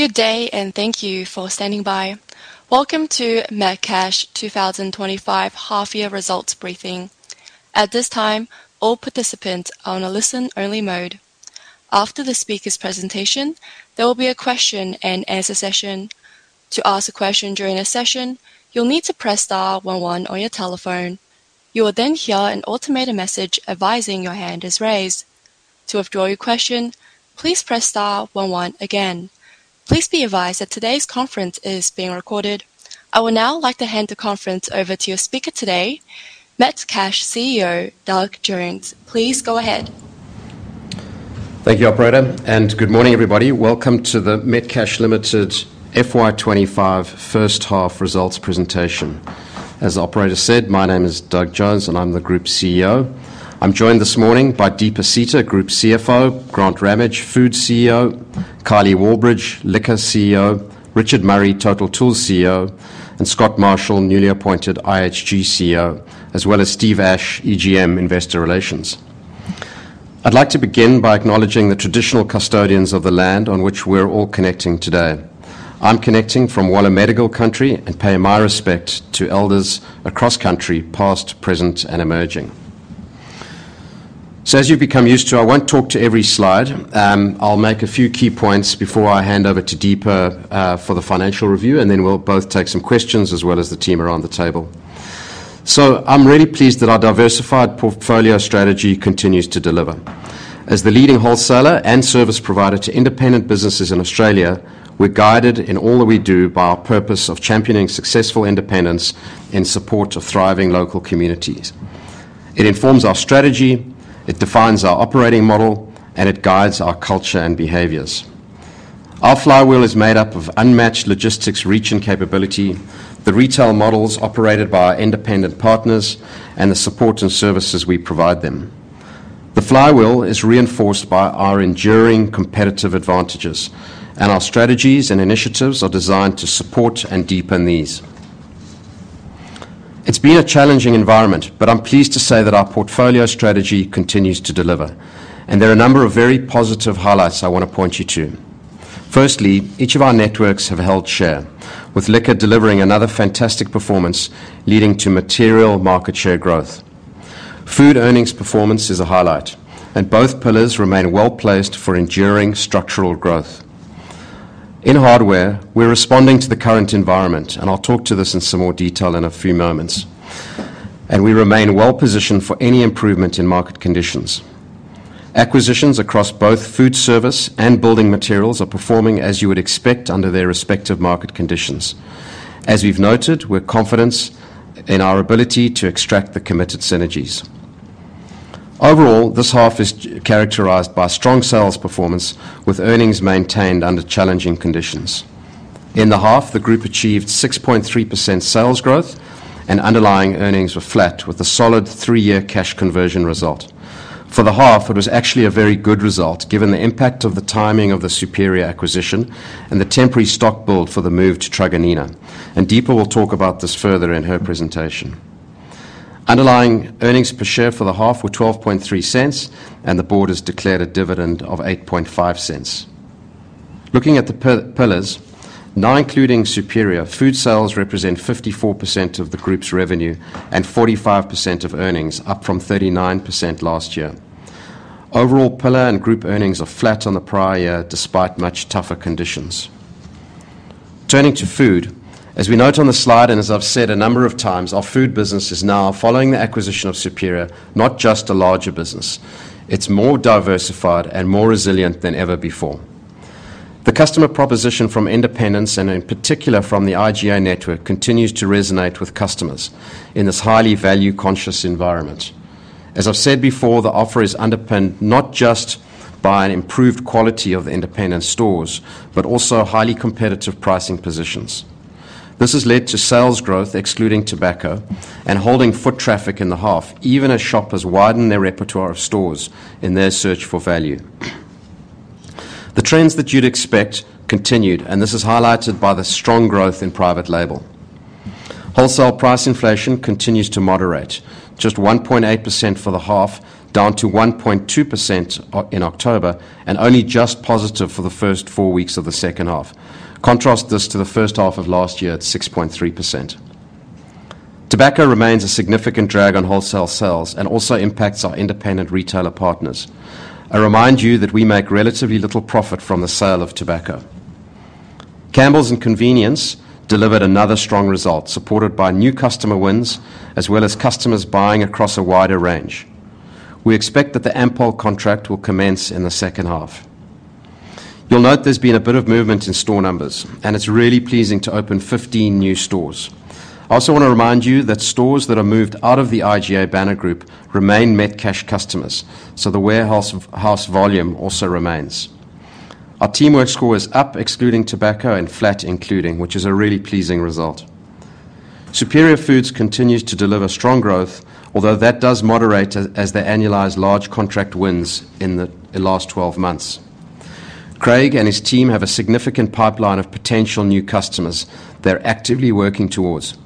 Good day, and thank you for standing by. Welcome to Metcash 2025 half-year results briefing. At this time, all participants are on a listen-only mode. After the speaker's presentation, there will be a question-and-answer session. To ask a question during the session, you'll need to press star 11 on your telephone. You will then hear an automated message advising your hand is raised. To withdraw your question, please press star 11 again. Please be advised that today's conference is being recorded. I would now like to hand the conference over to your speaker today, Metcash CEO, Doug Jones. Please go ahead. Thank you, Operator, and good morning, everybody. Welcome to the Metcash Limited FY25 first half results presentation. As Operator said, my name is Doug Jones, and I'm the Group CEO. I'm joined this morning by Deepa Sita, Group CFO; Grant Ramage, Food CEO; Kylie Wallbridge, Liquor CEO; Richard Murray, Total Tools CEO; and Scott Marshall, newly appointed IHG CEO, as well as Steve Ash, EGM Investor Relations. I'd like to begin by acknowledging the traditional custodians of the land on which we're all connecting today. I'm connecting from Wallumedegal Country and pay my respect to elders across country, past, present, and emerging. So, as you've become used to, I won't talk to every slide. I'll make a few key points before I hand over to Deepa for the financial review, and then we'll both take some questions as well as the team around the table. I'm really pleased that our diversified portfolio strategy continues to deliver. As the leading wholesaler and service provider to independent businesses in Australia, we're guided in all that we do by our purpose of championing successful independence in support of thriving local communities. It informs our strategy, it defines our operating model, and it guides our culture and behaviors. Our flywheel is made up of unmatched logistics reach and capability, the retail models operated by our independent partners, and the support and services we provide them. The flywheel is reinforced by our enduring competitive advantages, and our strategies and initiatives are designed to support and deepen these. It's been a challenging environment, but I'm pleased to say that our portfolio strategy continues to deliver, and there are a number of very positive highlights I want to point you to. Firstly, each of our networks have held share, with Liquor delivering another fantastic performance leading to material market share growth. Food earnings performance is a highlight, and both pillars remain well placed for enduring structural growth. In Hardware, we're responding to the current environment, and I'll talk to this in some more detail in a few moments. And we remain well positioned for any improvement in market conditions. Acquisitions across both food service and building materials are performing as you would expect under their respective market conditions. As we've noted, we're confident in our ability to extract the committed synergies. Overall, this half is characterized by strong sales performance, with earnings maintained under challenging conditions. In the half, the group achieved 6.3% sales growth, and underlying earnings were flat with a solid three-year cash conversion result. For the half, it was actually a very good result given the impact of the timing of the Superior acquisition and the temporary stock build for the move to Truganina, and Deepa will talk about this further in her presentation. Underlying earnings per share for the half were 0.123, and the board has declared a dividend of 0.085. Looking at the pillars, now including Superior, food sales represent 54% of the group's revenue and 45% of earnings, up from 39% last year. Overall, pillar and group earnings are flat on the prior year despite much tougher conditions. Turning to food, as we note on the slide and as I've said a number of times, our food business is now, following the acquisition of Superior, not just a larger business. It's more diversified and more resilient than ever before. The customer proposition from independents, and in particular from the IGA network, continues to resonate with customers in this highly value-conscious environment. As I've said before, the offer is underpinned not just by an improved quality of the independent stores, but also highly competitive pricing positions. This has led to sales growth, excluding tobacco, and holding foot traffic in the half, even as shoppers widen their repertoire of stores in their search for value. The trends that you'd expect continued, and this is highlighted by the strong growth in private label. Wholesale price inflation continues to moderate, just 1.8% for the half, down to 1.2% in October, and only just positive for the first four weeks of the second half. Contrast this to the first half of last year at 6.3%. Tobacco remains a significant drag on wholesale sales and also impacts our independent retailer partners. I remind you that we make relatively little profit from the sale of tobacco. Campbells and Convenience delivered another strong result, supported by new customer wins as well as customers buying across a wider range. We expect that the Ampol contract will commence in the second half. You'll note there's been a bit of movement in store numbers, and it's really pleasing to open 15 new stores. I also want to remind you that stores that are moved out of the IGA banner group remain Metcash customers, so the warehouse volume also remains. Our network score is up, excluding tobacco, and flat including, which is a really pleasing result. Superior Foods continues to deliver strong growth, although that does moderate as they annualize large contract wins in the last 12 months. Craig and his team have a significant pipeline of potential new customers they're actively working towards.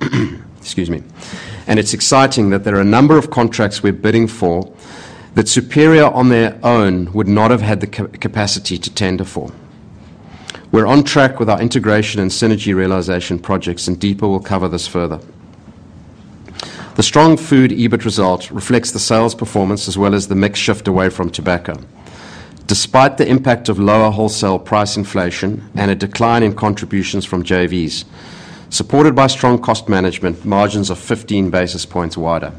Excuse me. It's exciting that there are a number of contracts we're bidding for that Superior on their own would not have had the capacity to tender for. We're on track with our integration and synergy realization projects, and Deepa will cover this further. The strong food EBIT result reflects the sales performance as well as the mix shift away from tobacco. Despite the impact of lower wholesale price inflation and a decline in contributions from JVs, supported by strong cost management, margins are 15 basis points wider.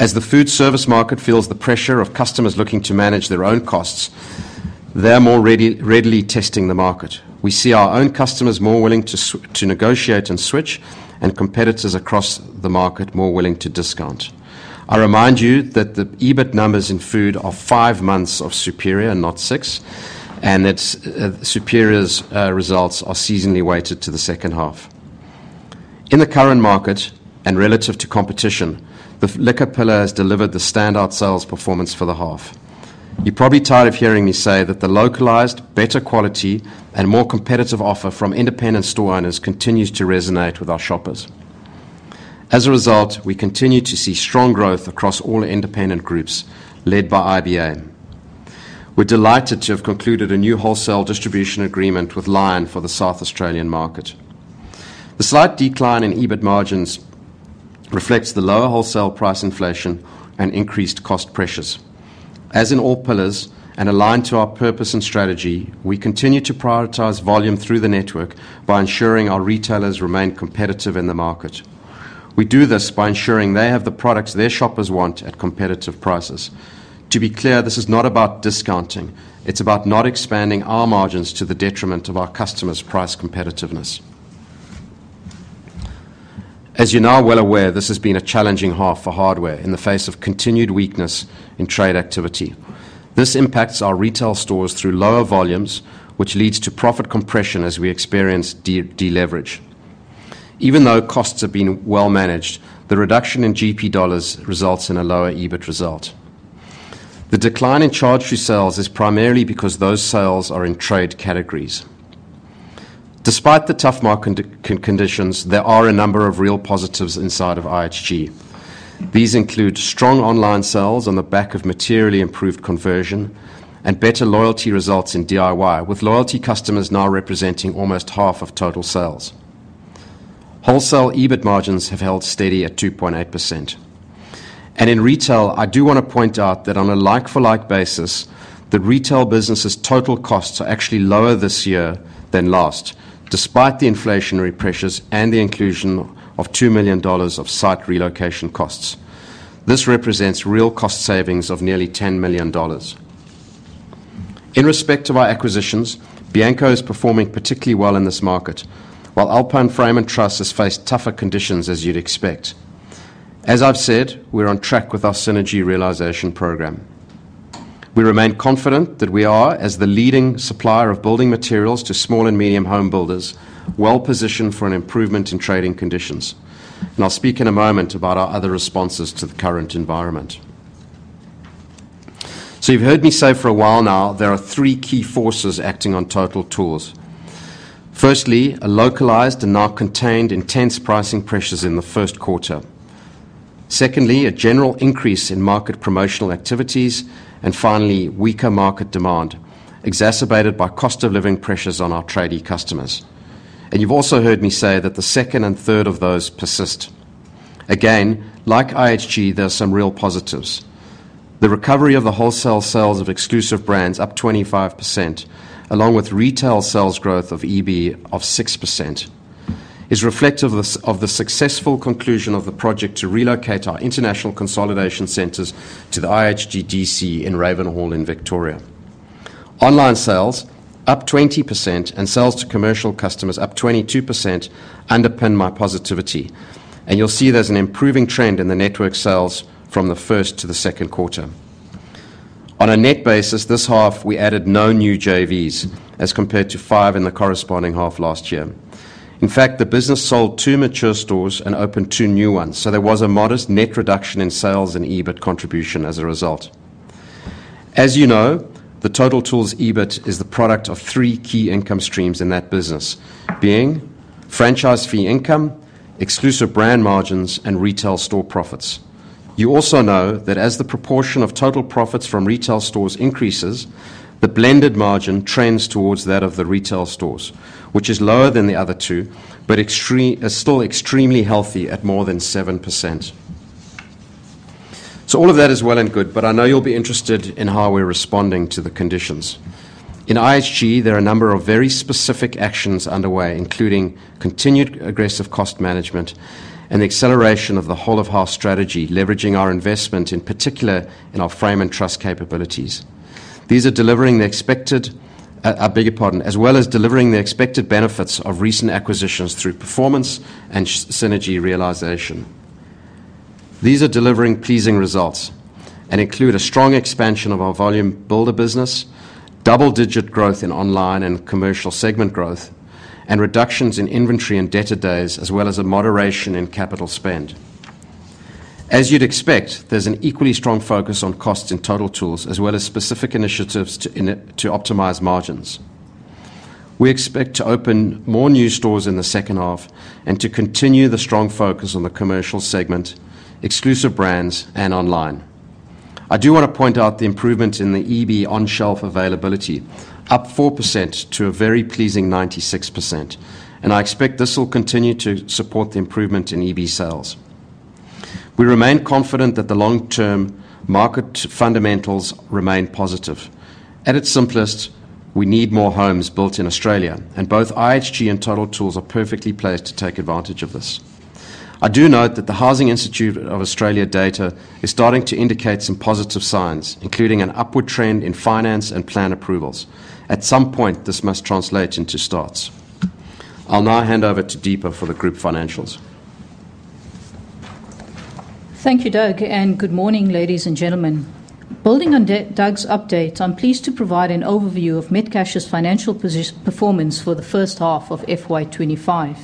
As the food service market feels the pressure of customers looking to manage their own costs, they're more readily testing the market. We see our own customers more willing to negotiate and switch, and competitors across the market more willing to discount. I remind you that the EBIT numbers in food are five months of Superior and not six, and that Superior's results are seasonally weighted to the second half. In the current market and relative to competition, the liquor pillar has delivered the standout sales performance for the half. You're probably tired of hearing me say that the localized, better quality, and more competitive offer from independent store owners continues to resonate with our shoppers. As a result, we continue to see strong growth across all independent groups led by IBA. We're delighted to have concluded a new wholesale distribution agreement with Lion for the South Australian market. The slight decline in EBIT margins reflects the lower wholesale price inflation and increased cost pressures. As in all pillars, and aligned to our purpose and strategy, we continue to prioritize volume through the network by ensuring our retailers remain competitive in the market. We do this by ensuring they have the products their shoppers want at competitive prices. To be clear, this is not about discounting. It's about not expanding our margins to the detriment of our customers' price competitiveness. As you're now well aware, this has been a challenging half for hardware in the face of continued weakness in trade activity. This impacts our retail stores through lower volumes, which leads to profit compression as we experience deleverage. Even though costs have been well managed, the reduction in GP dollars results in a lower EBIT result. The decline in charge results is primarily because those sales are in trade categories. Despite the tough market conditions, there are a number of real positives inside of IHG. These include strong online sales on the back of materially improved conversion and better loyalty results in DIY, with loyalty customers now representing almost half of total sales. Wholesale EBIT margins have held steady at 2.8%, and in retail, I do want to point out that on a like-for-like basis, the retail business's total costs are actually lower this year than last, despite the inflationary pressures and the inclusion of 2 million dollars of site relocation costs. This represents real cost savings of nearly 10 million dollars. In respect to our acquisitions, Bianco is performing particularly well in this market, while Alpine Truss has faced tougher conditions as you'd expect. As I've said, we're on track with our synergy realization program. We remain confident that we are, as the leading supplier of building materials to small and medium home builders, well positioned for an improvement in trading conditions. And I'll speak in a moment about our other responses to the current environment. So you've heard me say for a while now, there are three key forces acting on Total Tools. Firstly, a localized and now contained intense pricing pressures in the first quarter. Secondly, a general increase in market promotional activities, and finally, weaker market demand exacerbated by cost of living pressures on our trade customers. And you've also heard me say that the second and third of those persist. Again, like IHG, there are some real positives. The recovery of the wholesale sales of exclusive brands up 25%, along with retail sales growth of EB of 6%, is reflective of the successful conclusion of the project to relocate our international consolidation centers to the IHG DC in Ravenhall in Victoria. Online sales up 20% and sales to commercial customers up 22% underpin my positivity, and you'll see there's an improving trend in the network sales from the first to the second quarter. On a net basis, this half, we added no new JVs as compared to five in the corresponding half last year. In fact, the business sold two mature stores and opened two new ones, so there was a modest net reduction in sales and EBIT contribution as a result. As you know, the Total Tools EBIT is the product of three key income streams in that business, being franchise fee income, exclusive brand margins, and retail store profits. You also know that as the proportion of total profits from retail stores increases, the blended margin trends towards that of the retail stores, which is lower than the other two, but is still extremely healthy at more than 7%. So all of that is well and good, but I know you'll be interested in how we're responding to the conditions. In IHG, there are a number of very specific actions underway, including continued aggressive cost management and the acceleration of the whole of house strategy, leveraging our investment, in particular in our frame and truss capabilities. These are delivering the expected, as well as delivering the expected benefits of recent acquisitions through performance and synergy realization. These are delivering pleasing results and include a strong expansion of our volume builder business, double-digit growth in online and commercial segment growth, and reductions in inventory and debtor days, as well as a moderation in capital spend. As you'd expect, there's an equally strong focus on costs in Total Tools as well as specific initiatives to optimize margins. We expect to open more new stores in the second half and to continue the strong focus on the commercial segment, exclusive brands, and online. I do want to point out the improvement in the EB on-shelf availability, up 4% to a very pleasing 96%. And I expect this will continue to support the improvement in EB sales. We remain confident that the long-term market fundamentals remain positive. At its simplest, we need more homes built in Australia, and both IHG and Total Tools are perfectly placed to take advantage of this. I do note that the Housing Industry Association data is starting to indicate some positive signs, including an upward trend in finance and plan approvals. At some point, this must translate into starts. I'll now hand over to Deepa for the group financials. Thank you, Doug, and good morning, ladies and gentlemen. Building on Doug's update, I'm pleased to provide an overview of Metcash's financial performance for the first half of FY25.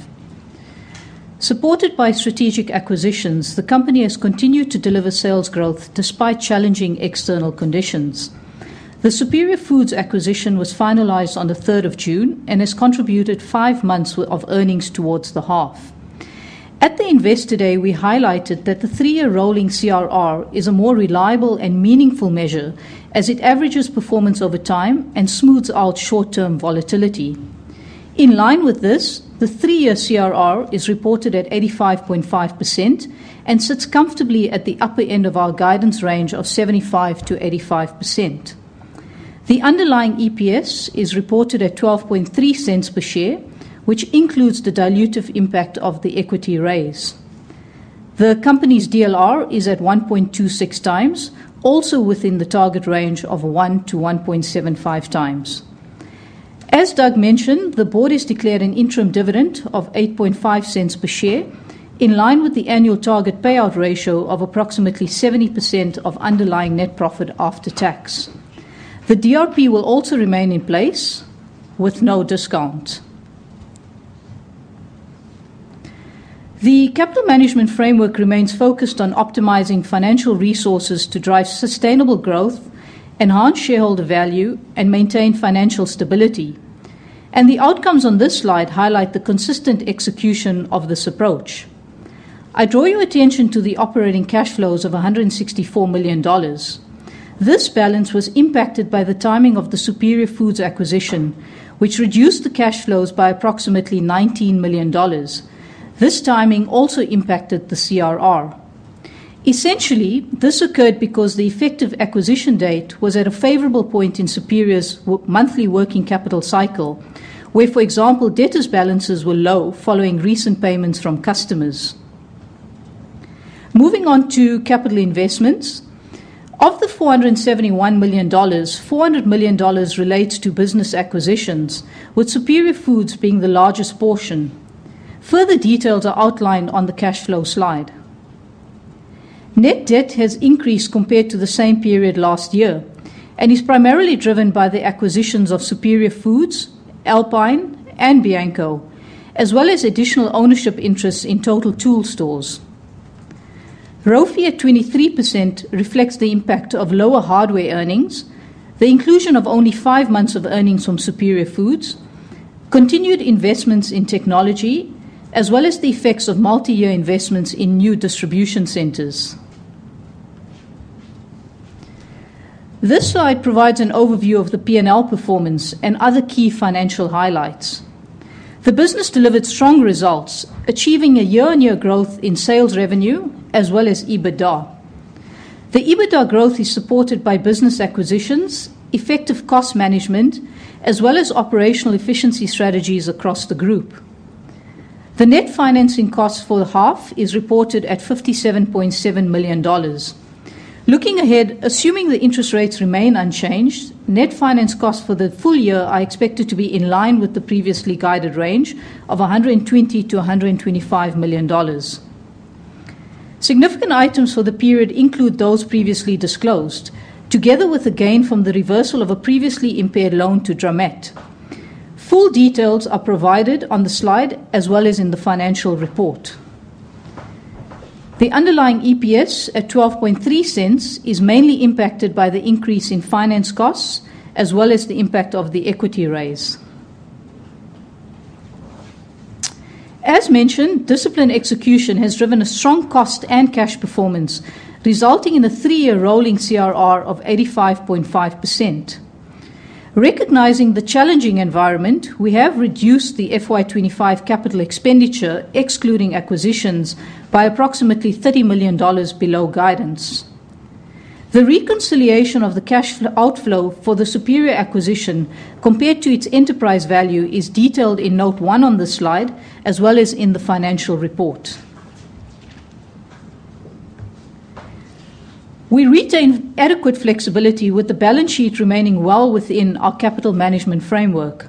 Supported by strategic acquisitions, the company has continued to deliver sales growth despite challenging external conditions. The Superior Foods acquisition was finalized on the 3rd of June and has contributed five months of earnings towards the half. At the Investor Day, we highlighted that the three-year rolling CRR is a more reliable and meaningful measure as it averages performance over time and smooths out short-term volatility. In line with this, the three-year CRR is reported at 85.5% and sits comfortably at the upper end of our guidance range of 75%-85%. The underlying EPS is reported at 0.123 per share, which includes the dilutive impact of the equity raise. The company's DLR is at 1.26 times, also within the target range of 1-1.75 times. As Doug mentioned, the board has declared an interim dividend of 0.085 per share, in line with the annual target payout ratio of approximately 70% of underlying net profit after tax. The DRP will also remain in place with no discount. The capital management framework remains focused on optimizing financial resources to drive sustainable growth, enhance shareholder value, and maintain financial stability. The outcomes on this slide highlight the consistent execution of this approach. I draw your attention to the operating cash flows of AUD 164 million. This balance was impacted by the timing of the Superior Foods acquisition, which reduced the cash flows by approximately 19 million dollars. This timing also impacted the CRR. Essentially, this occurred because the effective acquisition date was at a favorable point in Superior's monthly working capital cycle, where, for example, debtors' balances were low following recent payments from customers. Moving on to capital investments, of the 471 million dollars, 400 million dollars relates to business acquisitions, with Superior Foods being the largest portion. Further details are outlined on the cash flow slide. Net debt has increased compared to the same period last year and is primarily driven by the acquisitions of Superior Foods, Alpine, and Bianco, as well as additional ownership interests in Total Tools stores. Growth here at 23% reflects the impact of lower hardware earnings, the inclusion of only five months of earnings from Superior Foods, continued investments in technology, as well as the effects of multi-year investments in new distribution centers. This slide provides an overview of the P&L performance and other key financial highlights. The business delivered strong results, achieving a year-on-year growth in sales revenue as well as EBITDA. The EBITDA growth is supported by business acquisitions, effective cost management, as well as operational efficiency strategies across the group. The net financing cost for the half is reported at 57.7 million dollars. Looking ahead, assuming the interest rates remain unchanged, net finance costs for the full year are expected to be in line with the previously guided range of 120 million-125 million dollars. Significant items for the period include those previously disclosed, together with a gain from the reversal of a previously impaired loan to Dramet. Full details are provided on the slide as well as in the financial report. The underlying EPS at 0.123 is mainly impacted by the increase in finance costs as well as the impact of the equity raise. As mentioned, discipline execution has driven a strong cost and cash performance, resulting in a three-year rolling CRR of 85.5%. Recognizing the challenging environment, we have reduced the FY25 capital expenditure, excluding acquisitions, by approximately 30 million dollars below guidance. The reconciliation of the cash outflow for the Superior Foods acquisition compared to its enterprise value is detailed in note one on this slide as well as in the financial report. We retain adequate flexibility with the balance sheet remaining well within our capital management framework.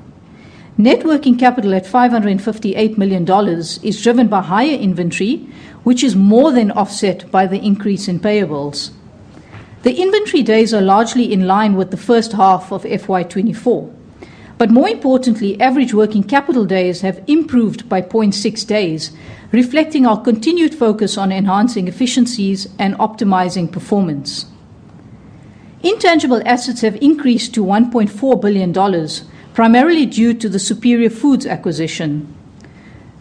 Net working capital at 558 million dollars is driven by higher inventory, which is more than offset by the increase in payables. The inventory days are largely in line with the first half of FY24. But more importantly, average working capital days have improved by 0.6 days, reflecting our continued focus on enhancing efficiencies and optimizing performance. Intangible assets have increased to 1.4 billion dollars, primarily due to the Superior Foods acquisition.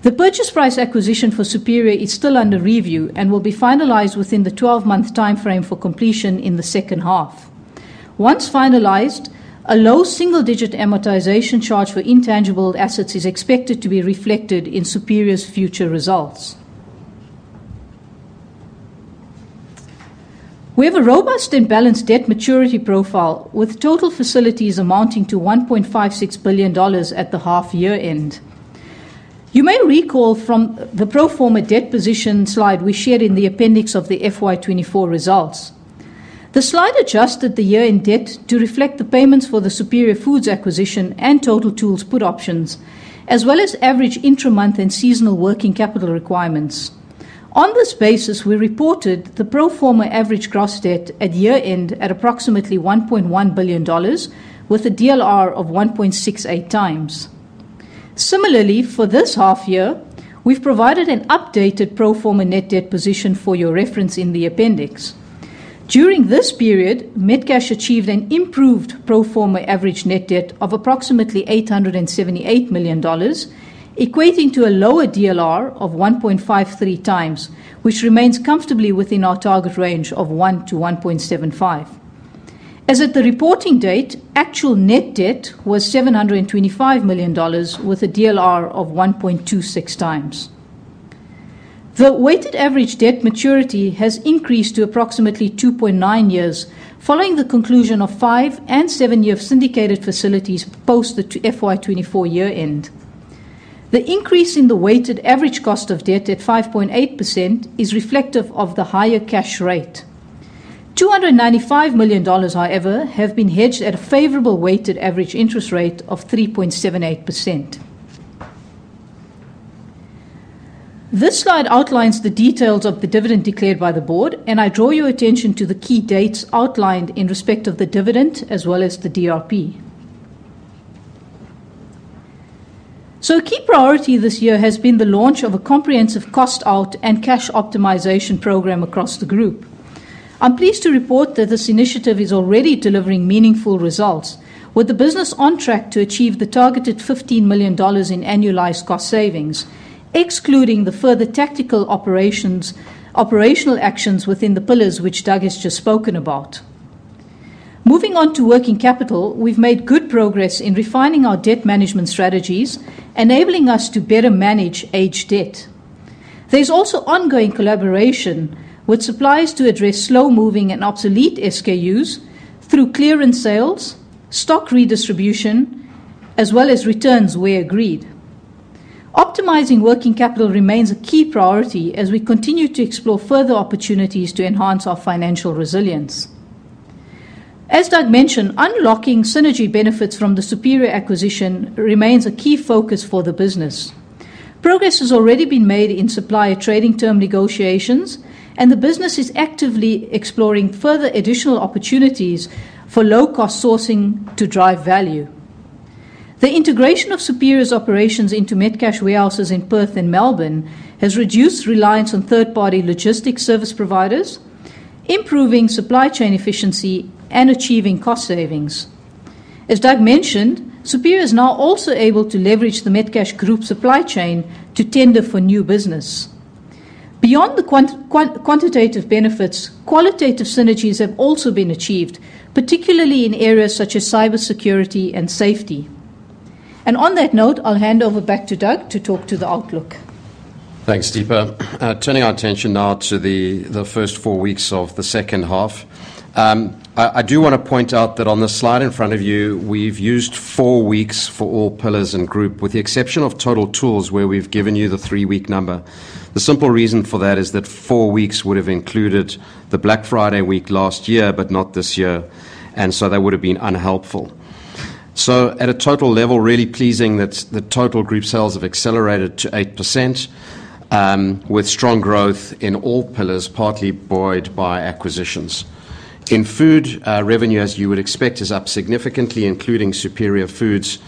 The purchase price allocation for Superior Foods is still under review and will be finalized within the 12-month timeframe for completion in the second half. Once finalized, a low single-digit amortization charge for intangible assets is expected to be reflected in Superior's future results. We have a robust and balanced debt maturity profile with total facilities amounting to 1.56 billion dollars at the half-year end. You may recall from the pro forma debt position slide we shared in the appendix of the FY24 results. The slide adjusted the year-end debt to reflect the payments for the Superior Foods acquisition and Total Tools put options, as well as average interim month and seasonal working capital requirements. On this basis, we reported the pro forma average gross debt at year-end at approximately 1.1 billion dollars, with a DLR of 1.68 times. Similarly, for this half-year, we've provided an updated pro forma net debt position for your reference in the appendix. During this period, Metcash achieved an improved pro forma average net debt of approximately 878 million dollars, equating to a lower DLR of 1.53 times, which remains comfortably within our target range of 1 to 1.75. As at the reporting date, actual net debt was 725 million dollars, with a DLR of 1.26 times. The weighted average debt maturity has increased to approximately 2.9 years following the conclusion of five and seven-year syndicated facilities post the FY24 year-end. The increase in the weighted average cost of debt at 5.8% is reflective of the higher cash rate. 295 million dollars, however, has been hedged at a favorable weighted average interest rate of 3.78%. This slide outlines the details of the dividend declared by the board, and I draw your attention to the key dates outlined in respect of the dividend as well as the DRP. A key priority this year has been the launch of a comprehensive cost-out and cash optimization program across the group. I'm pleased to report that this initiative is already delivering meaningful results, with the business on track to achieve the targeted 15 million dollars in annualized cost savings, excluding the further tactical operational actions within the pillars which Doug has just spoken about. Moving on to working capital, we've made good progress in refining our debt management strategies, enabling us to better manage aged debt. There's also ongoing collaboration with suppliers to address slow-moving and obsolete SKUs through clearance sales, stock redistribution, as well as returns we agreed. Optimizing working capital remains a key priority as we continue to explore further opportunities to enhance our financial resilience. As Doug mentioned, unlocking synergy benefits from the Superior acquisition remains a key focus for the business. Progress has already been made in supplier trading term negotiations, and the business is actively exploring further additional opportunities for low-cost sourcing to drive value. The integration of Superior's operations into Metcash warehouses in Perth and Melbourne has reduced reliance on third-party logistics service providers, improving supply chain efficiency and achieving cost savings. As Doug mentioned, Superior is now also able to leverage the Metcash Group supply chain to tender for new business. Beyond the quantitative benefits, qualitative synergies have also been achieved, particularly in areas such as cybersecurity and safety, and on that note, I'll hand over back to Doug to talk to the outlook. Thanks, Deepa. Turning our attention now to the first four weeks of the second half. I do want to point out that on the slide in front of you, we've used four weeks for all pillars and group, with the exception of Total Tools where we've given you the three-week number. The simple reason for that is that four weeks would have included the Black Friday week last year, but not this year, and so that would have been unhelpful. So at a total level, really pleasing that the total group sales have accelerated to 8% with strong growth in all pillars, partly buoyed by acquisitions. In food revenue, as you would expect, is up significantly, including Superior Foods.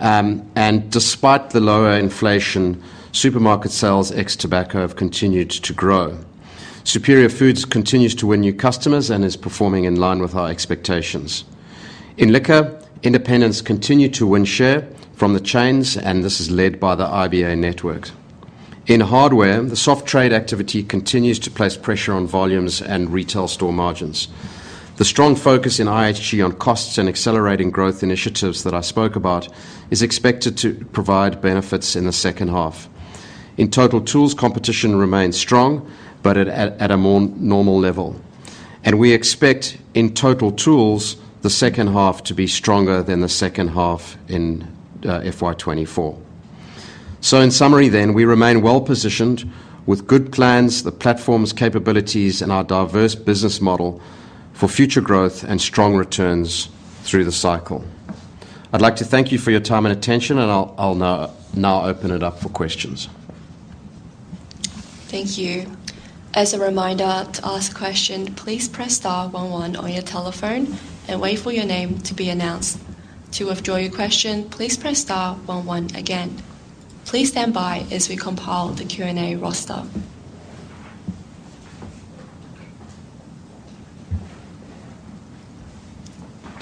And despite the lower inflation, supermarket sales ex-tobacco have continued to grow. Superior Foods continues to win new customers and is performing in line with our expectations. In liquor, independents continue to win share from the chains, and this is led by the IBA network. In hardware, the soft trade activity continues to place pressure on volumes and retail store margins. The strong focus in IHG on costs and accelerating growth initiatives that I spoke about is expected to provide benefits in the second half. In Total Tools, competition remains strong, but at a more normal level. And we expect in Total Tools, the second half to be stronger than the second half in FY24. So in summary then, we remain well positioned with good plans, the platform's capabilities, and our diverse business model for future growth and strong returns through the cycle. I'd like to thank you for your time and attention, and I'll now open it up for questions. Thank you. As a reminder, to ask a question, please press star 11 on your telephone and wait for your name to be announced. To withdraw your question, please press star 11 again. Please stand by as we compile the Q&A roster.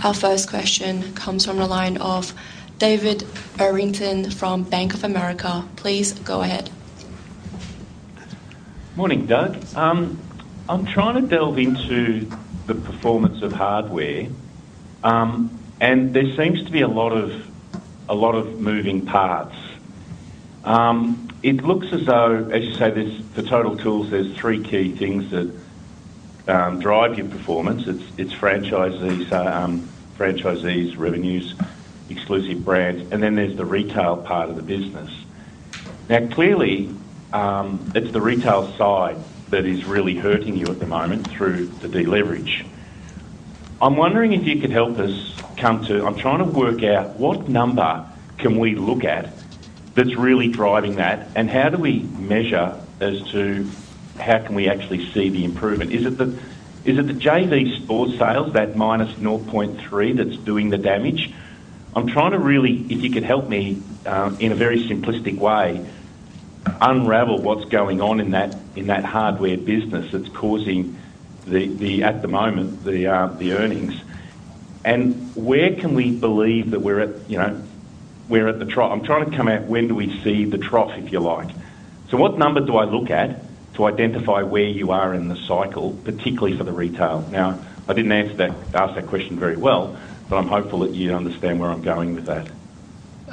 Our first question comes from the line of David Errington from Bank of America. Please go ahead. Morning, Doug. I'm trying to delve into the performance of hardware, and there seems to be a lot of moving parts. It looks as though, as you say, for Total Tools, there's three key things that drive your performance. It's franchisees, revenues, exclusive brands, and then there's the retail part of the business. Now, clearly, it's the retail side that is really hurting you at the moment through the deleverage. I'm wondering if you could help us come to, I'm trying to work out what number can we look at that's really driving that, and how do we measure as to how can we actually see the improvement? Is it the LFL store sales, that minus 0.3 that's doing the damage? I'm trying to really, if you could help me in a very simplistic way, unravel what's going on in that hardware business that's causing, at the moment, the earnings. And where can we believe that we're at the trough? I'm trying to come out, when do we see the trough, if you like. So what number do I look at to identify where you are in the cycle, particularly for the retail? Now, I didn't ask that question very well, but I'm hopeful that you understand where I'm going with that.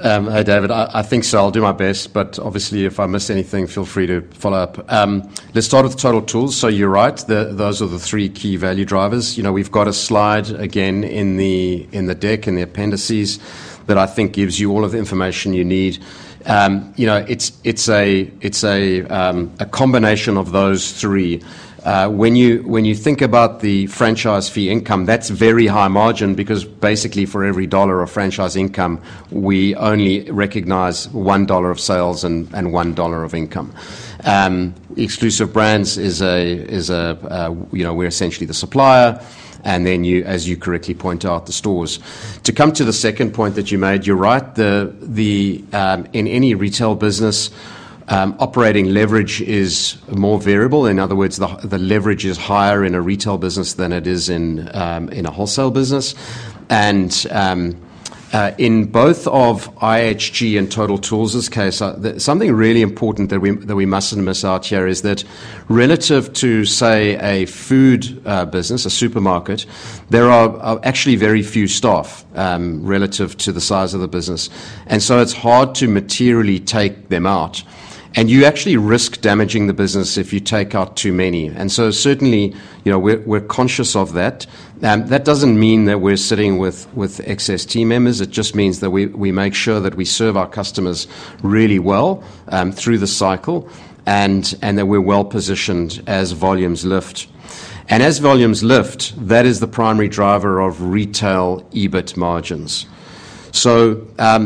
Hey, David. I think so. I'll do my best, but obviously, if I miss anything, feel free to follow up. Let's start with Total Tools. You're right. Those are the three key value drivers. We've got a slide again in the deck, in the appendices, that I think gives you all of the information you need. It's a combination of those three. When you think about the franchise fee income, that's very high margin because basically for every dollar of franchise income, we only recognize 1 dollar of sales and 1 dollar of income. Exclusive Brands is a, we're essentially the supplier, and then, as you correctly point out, the stores. To come to the second point that you made, you're right. In any retail business, operating leverage is more variable. In other words, the leverage is higher in a retail business than it is in a wholesale business. In both of IHG and Total Tools' case, something really important that we mustn't miss out here is that relative to, say, a food business, a supermarket, there are actually very few staff relative to the size of the business. It's hard to materially take them out. You actually risk damaging the business if you take out too many. Certainly, we're conscious of that. That doesn't mean that we're sitting with excess team members. It just means that we make sure that we serve our customers really well through the cycle and that we're well positioned as volumes lift. As volumes lift, that is the primary driver of retail EBIT margins. There are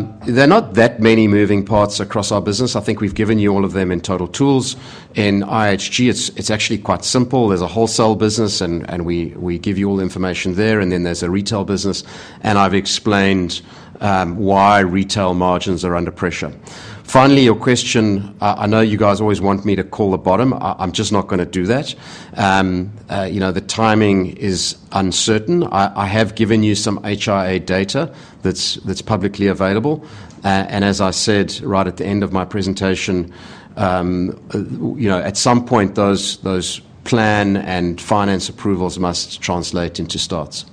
not that many moving parts across our business. I think we've given you all of them in Total Tools. In IHG, it's actually quite simple. There's a wholesale business, and we give you all the information there. And then there's a retail business. And I've explained why retail margins are under pressure. Finally, your question, I know you guys always want me to call the bottom. I'm just not going to do that. The timing is uncertain. I have given you some HIA data that's publicly available. And as I said right at the end of my presentation, at some point, those planning and finance approvals must translate into starts.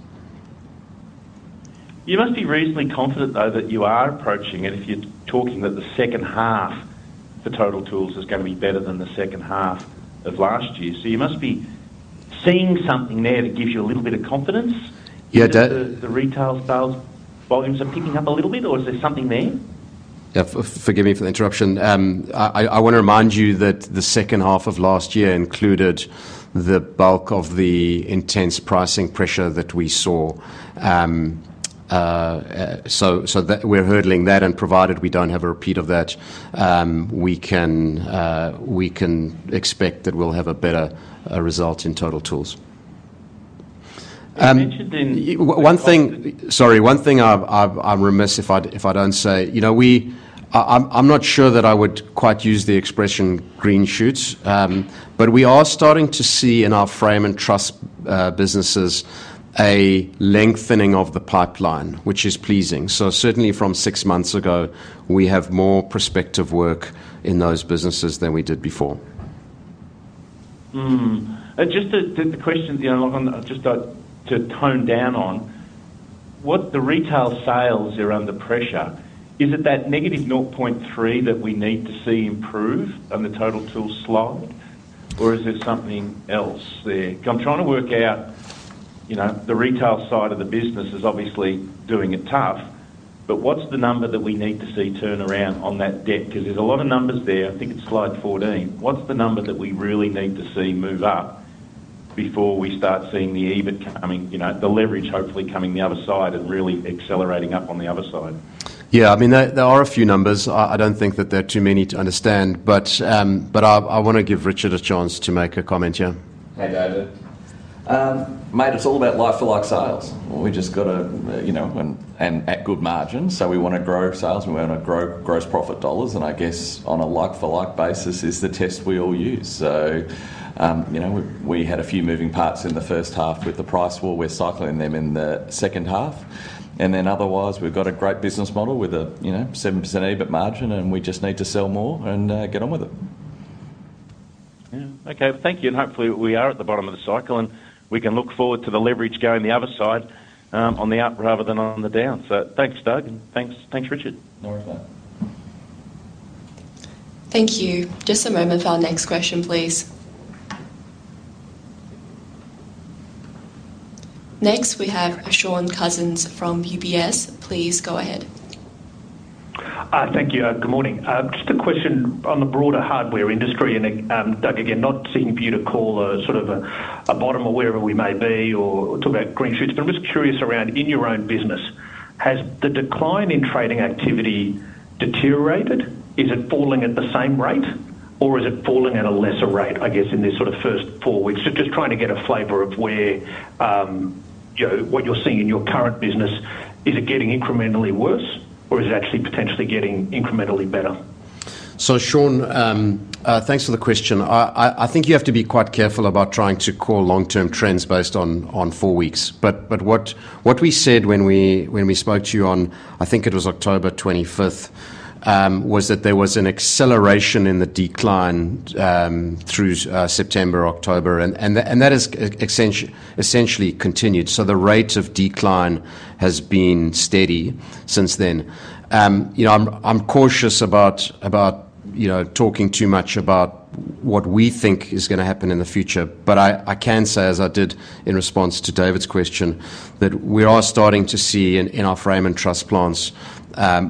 You must be reasonably confident, though, that you are approaching it if you're talking that the second half for Total Tools is going to be better than the second half of last year. So you must be seeing something there that gives you a little bit of confidence. Yeah, Doug. That the retail sales volumes are picking up a little bit, or is there something there? Yeah. Forgive me for the interruption. I want to remind you that the second half of last year included the bulk of the intense pricing pressure that we saw. So we're hurdling that, and provided we don't have a repeat of that, we can expect that we'll have a better result in Total Tools. You mentioned in. Sorry, one thing I'm remiss if I don't say. I'm not sure that I would quite use the expression green shoots, but we are starting to see in our frame and truss businesses a lengthening of the pipeline, which is pleasing. So certainly, from six months ago, we have more prospective work in those businesses than we did before. Just the question I'm just about to touch on, what the retail sales are under pressure, is it that -0.3 that we need to see improve on the Total Tools slide, or is there something else there? Because I'm trying to work out the retail side of the business is obviously doing it tough, but what's the number that we need to see turn around on that front? Because there's a lot of numbers there. I think it's slide 14. What's the number that we really need to see move up before we start seeing the EBIT coming, the leverage hopefully coming the other side and really accelerating up on the other side? Yeah. I mean, there are a few numbers. I don't think that there are too many to understand, but I want to give Richard a chance to make a comment here. Hey, David. Mate, it's all about like-for-like sales. We just got to, and at good margins, so we want to grow sales. We want to grow gross profit dollars, and I guess on a like-for-like basis is the test we all use, so we had a few moving parts in the first half with the price war. We're cycling them in the second half, and then otherwise, we've got a great business model with a 7% EBIT margin, and we just need to sell more and get on with it. Yeah. Okay. Thank you. And hopefully, we are at the bottom of the cycle, and we can look forward to the leverage going the other side on the up rather than on the down. So thanks, Doug. And thanks, Richard. No worries, mate. Thank you. Just a moment for our next question, please. Next, we have Shaun Cousins from UBS. Please go ahead. Thank you. Good morning. Just a question on the broader hardware industry, and Doug, again, not seeking for you to call sort of a bottom or wherever we may be or talk about green shoots, but I'm just curious around, in your own business, has the decline in trading activity deteriorated? Is it falling at the same rate, or is it falling at a lesser rate, I guess, in this sort of first four weeks? Just trying to get a flavor of what you're seeing in your current business. Is it getting incrementally worse, or is it actually potentially getting incrementally better? So Shaun, thanks for the question. I think you have to be quite careful about trying to call long-term trends based on four weeks. But what we said when we spoke to you on, I think it was October 25th, was that there was an acceleration in the decline through September, October, and that has essentially continued. So the rate of decline has been steady since then. I'm cautious about talking too much about what we think is going to happen in the future, but I can say, as I did in response to David's question, that we are starting to see in our frame and truss plans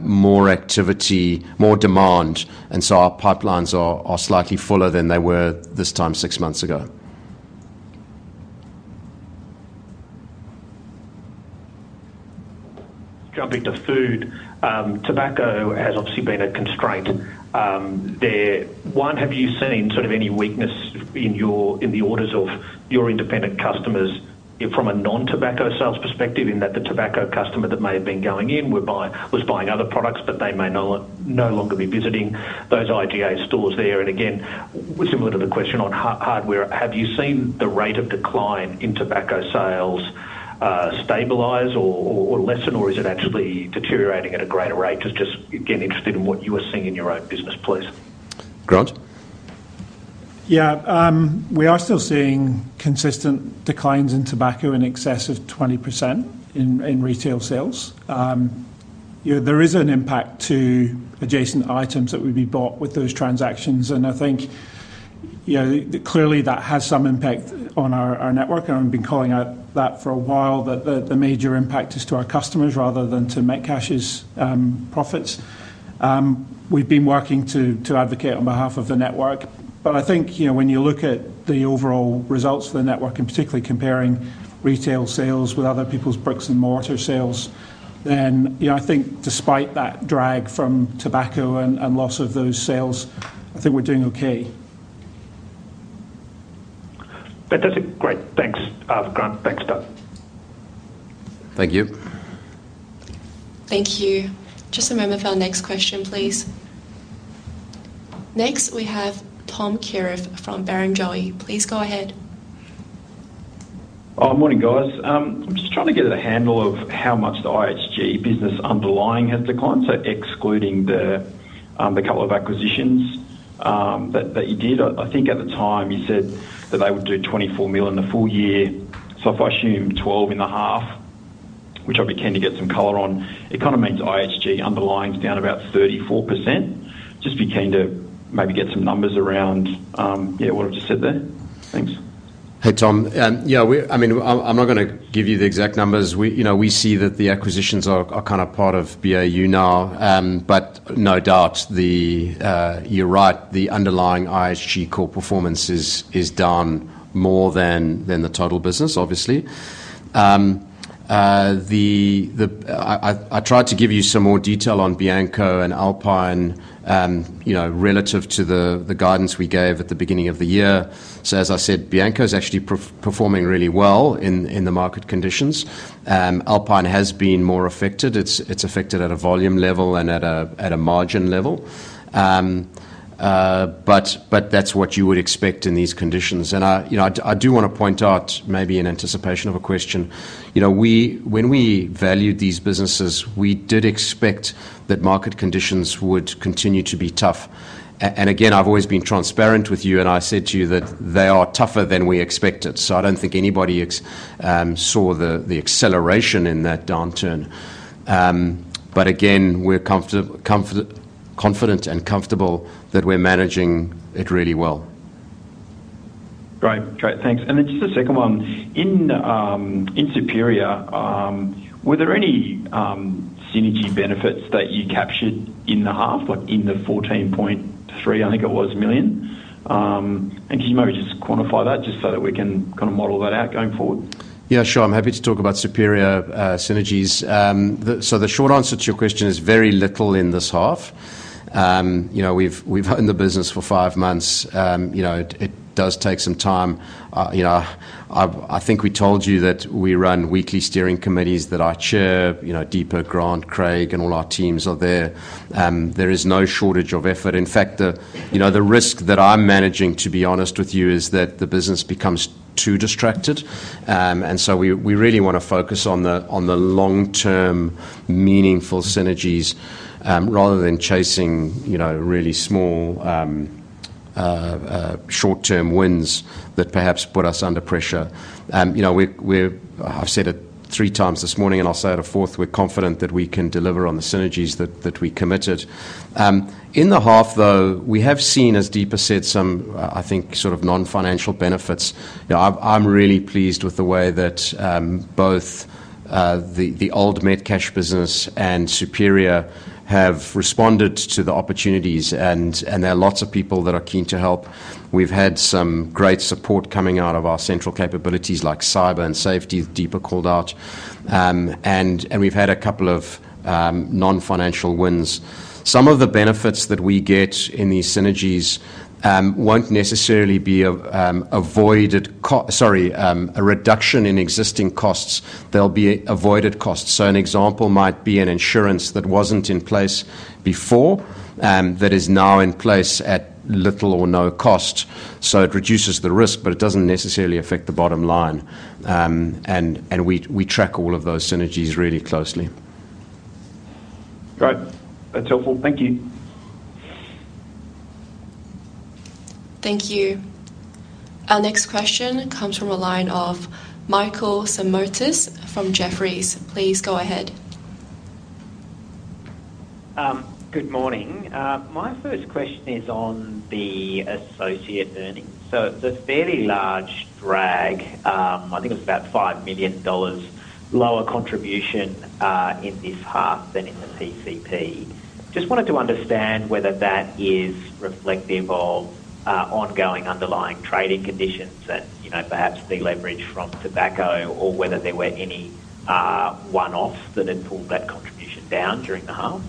more activity, more demand, and so our pipelines are slightly fuller than they were this time six months ago. Jumping to food, tobacco has obviously been a constraint there. One, have you seen sort of any weakness in the orders of your independent customers from a non-tobacco sales perspective in that the tobacco customer that may have been going in was buying other products, but they may no longer be visiting those IGA stores there? And again, similar to the question on hardware, have you seen the rate of decline in tobacco sales stabilize or lessen, or is it actually deteriorating at a greater rate? Just getting interested in what you are seeing in your own business, please. Grant. Yeah. We are still seeing consistent declines in tobacco in excess of 20% in retail sales. There is an impact to adjacent items that would be bought with those transactions, and I think clearly that has some impact on our network, and we've been calling out that for a while, that the major impact is to our customers rather than to Metcash's profits. We've been working to advocate on behalf of the network, but I think when you look at the overall results for the network, and particularly comparing retail sales with other people's bricks and mortar sales, then I think despite that drag from tobacco and loss of those sales, I think we're doing okay. Fantastic. Great. Thanks, Grant. Thanks, Doug. Thank you. Thank you. Just a moment for our next question, please. Next, we have Tom Kierath from Barrenjoey. Please go ahead. Oh, morning, guys. I'm just trying to get a handle on how much the IHG business underlying has declined. So excluding the couple of acquisitions that you did, I think at the time you said that they would do 24 million in the full year. So if I assume 12.5, which I'll be keen to get some color on, it kind of means IHG underlying's down about 34%. Just be keen to maybe get some numbers around what I've just said there. Thanks. Hey, Tom. Yeah. I mean, I'm not going to give you the exact numbers. We see that the acquisitions are kind of part of BAU now, but no doubt, you're right, the underlying IHG core performance is down more than the total business, obviously. I tried to give you some more detail on Bianco and Alpine relative to the guidance we gave at the beginning of the year. So as I said, Bianco is actually performing really well in the market conditions. Alpine has been more affected. It's affected at a volume level and at a margin level. But that's what you would expect in these conditions. And I do want to point out, maybe in anticipation of a question, when we valued these businesses, we did expect that market conditions would continue to be tough. And again, I've always been transparent with you, and I said to you that they are tougher than we expected. So I don't think anybody saw the acceleration in that downturn. But again, we're confident and comfortable that we're managing it really well. Great. Great. Thanks. And then just a second one. In Superior, were there any synergy benefits that you captured in the half, like in the 14.3 million, I think it was? And can you maybe just quantify that just so that we can kind of model that out going forward? Yeah, sure. I'm happy to talk about Superior synergies. So the short answer to your question is very little in this half. We've owned the business for five months. It does take some time. I think we told you that we run weekly steering committees that I chair. Deepa, Grant, Craig, and all our teams are there. There is no shortage of effort. In fact, the risk that I'm managing, to be honest with you, is that the business becomes too distracted. And so we really want to focus on the long-term, meaningful synergies rather than chasing really small short-term wins that perhaps put us under pressure. I've said it three times this morning, and I'll say it a fourth. We're confident that we can deliver on the synergies that we committed. In the half, though, we have seen, as Deepa said, some, I think, sort of non-financial benefits. I'm really pleased with the way that both the old Metcash business and Superior have responded to the opportunities, and there are lots of people that are keen to help. We've had some great support coming out of our central capabilities like cyber and safety. Deepa called out, and we've had a couple of non-financial wins. Some of the benefits that we get in these synergies won't necessarily be avoided - sorry, a reduction in existing costs. There'll be avoided costs. So an example might be an insurance that wasn't in place before that is now in place at little or no cost. So it reduces the risk, but it doesn't necessarily affect the bottom line, and we track all of those synergies really closely. Great. That's helpful. Thank you. Thank you. Our next question comes from a line of Michael Simotas from Jefferies. Please go ahead. Good morning. My first question is on the associate earnings. So the fairly large drag, I think it was about 5 million dollars, lower contribution in this half than in the PCP. Just wanted to understand whether that is reflective of ongoing underlying trading conditions and perhaps the leverage from tobacco, or whether there were any one-offs that had pulled that contribution down during the half?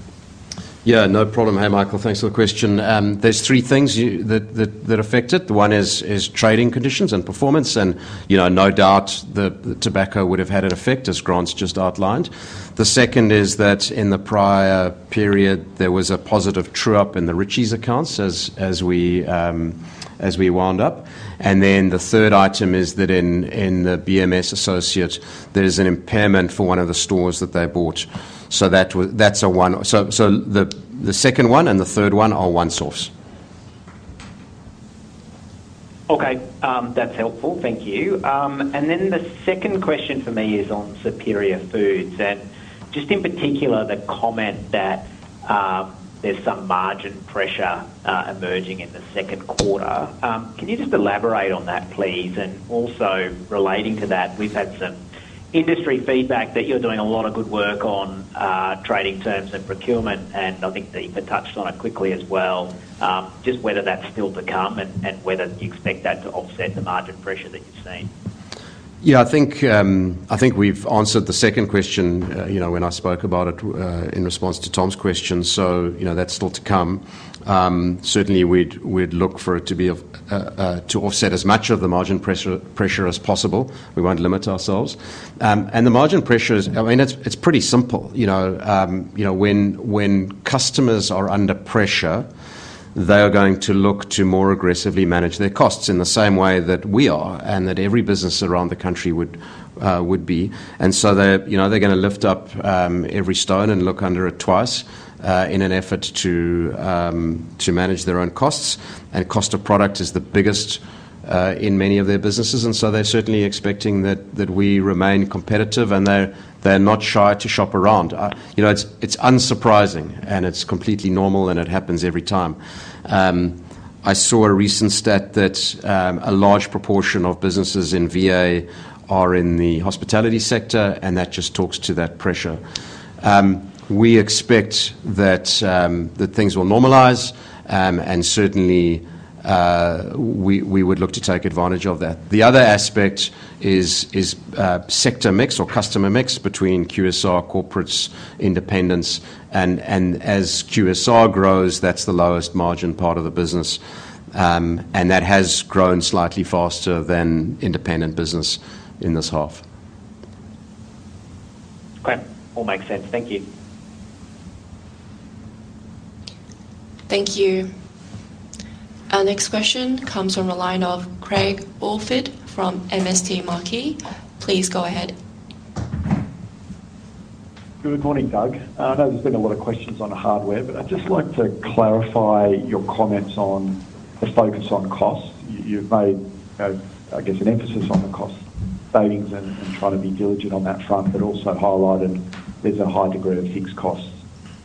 Yeah. No problem. Hey, Michael. Thanks for the question. There's three things that affect it. One is trading conditions and performance. And no doubt, the tobacco would have had an effect, as Grant's just outlined. The second is that in the prior period, there was a positive true-up in the Ritchies accounts as we wound up. And then the third item is that in the BMS associate, there's an impairment for one of the stores that they bought. So that's—so the second one and the third one are one source. Okay. That's helpful. Thank you. And then the second question for me is on Superior Foods and just in particular, the comment that there's some margin pressure emerging in the Q2. Can you just elaborate on that, please? And also relating to that, we've had some industry feedback that you're doing a lot of good work on trading terms and procurement. And I think Deepa touched on it quickly as well, just whether that's still to come and whether you expect that to offset the margin pressure that you've seen. Yeah. I think we've answered the second question when I spoke about it in response to Tom's question. So that's still to come. Certainly, we'd look for it to be to offset as much of the margin pressure as possible. We won't limit ourselves. And the margin pressure, I mean, it's pretty simple. When customers are under pressure, they are going to look to more aggressively manage their costs in the same way that we are and that every business around the country would be. And so they're going to lift up every stone and look under it twice in an effort to manage their own costs. And cost of product is the biggest in many of their businesses. And so they're certainly expecting that we remain competitive, and they're not shy to shop around. It's unsurprising, and it's completely normal, and it happens every time. I saw a recent stat that a large proportion of businesses in VA are in the hospitality sector, and that just talks to that pressure. We expect that things will normalize, and certainly, we would look to take advantage of that. The other aspect is sector mix or customer mix between QSR, corporates, independents, and as QSR grows, that's the lowest margin part of the business, and that has grown slightly faster than independent business in this half. Okay. All makes sense. Thank you. Thank you. Our next question comes from a line of Craig Woolford from MST Marquee. Please go ahead. Good morning, Doug. I know there's been a lot of questions on hardware, but I'd just like to clarify your comments on the focus on cost. You've made, I guess, an emphasis on the cost savings and trying to be diligent on that front, but also highlighted there's a high degree of fixed costs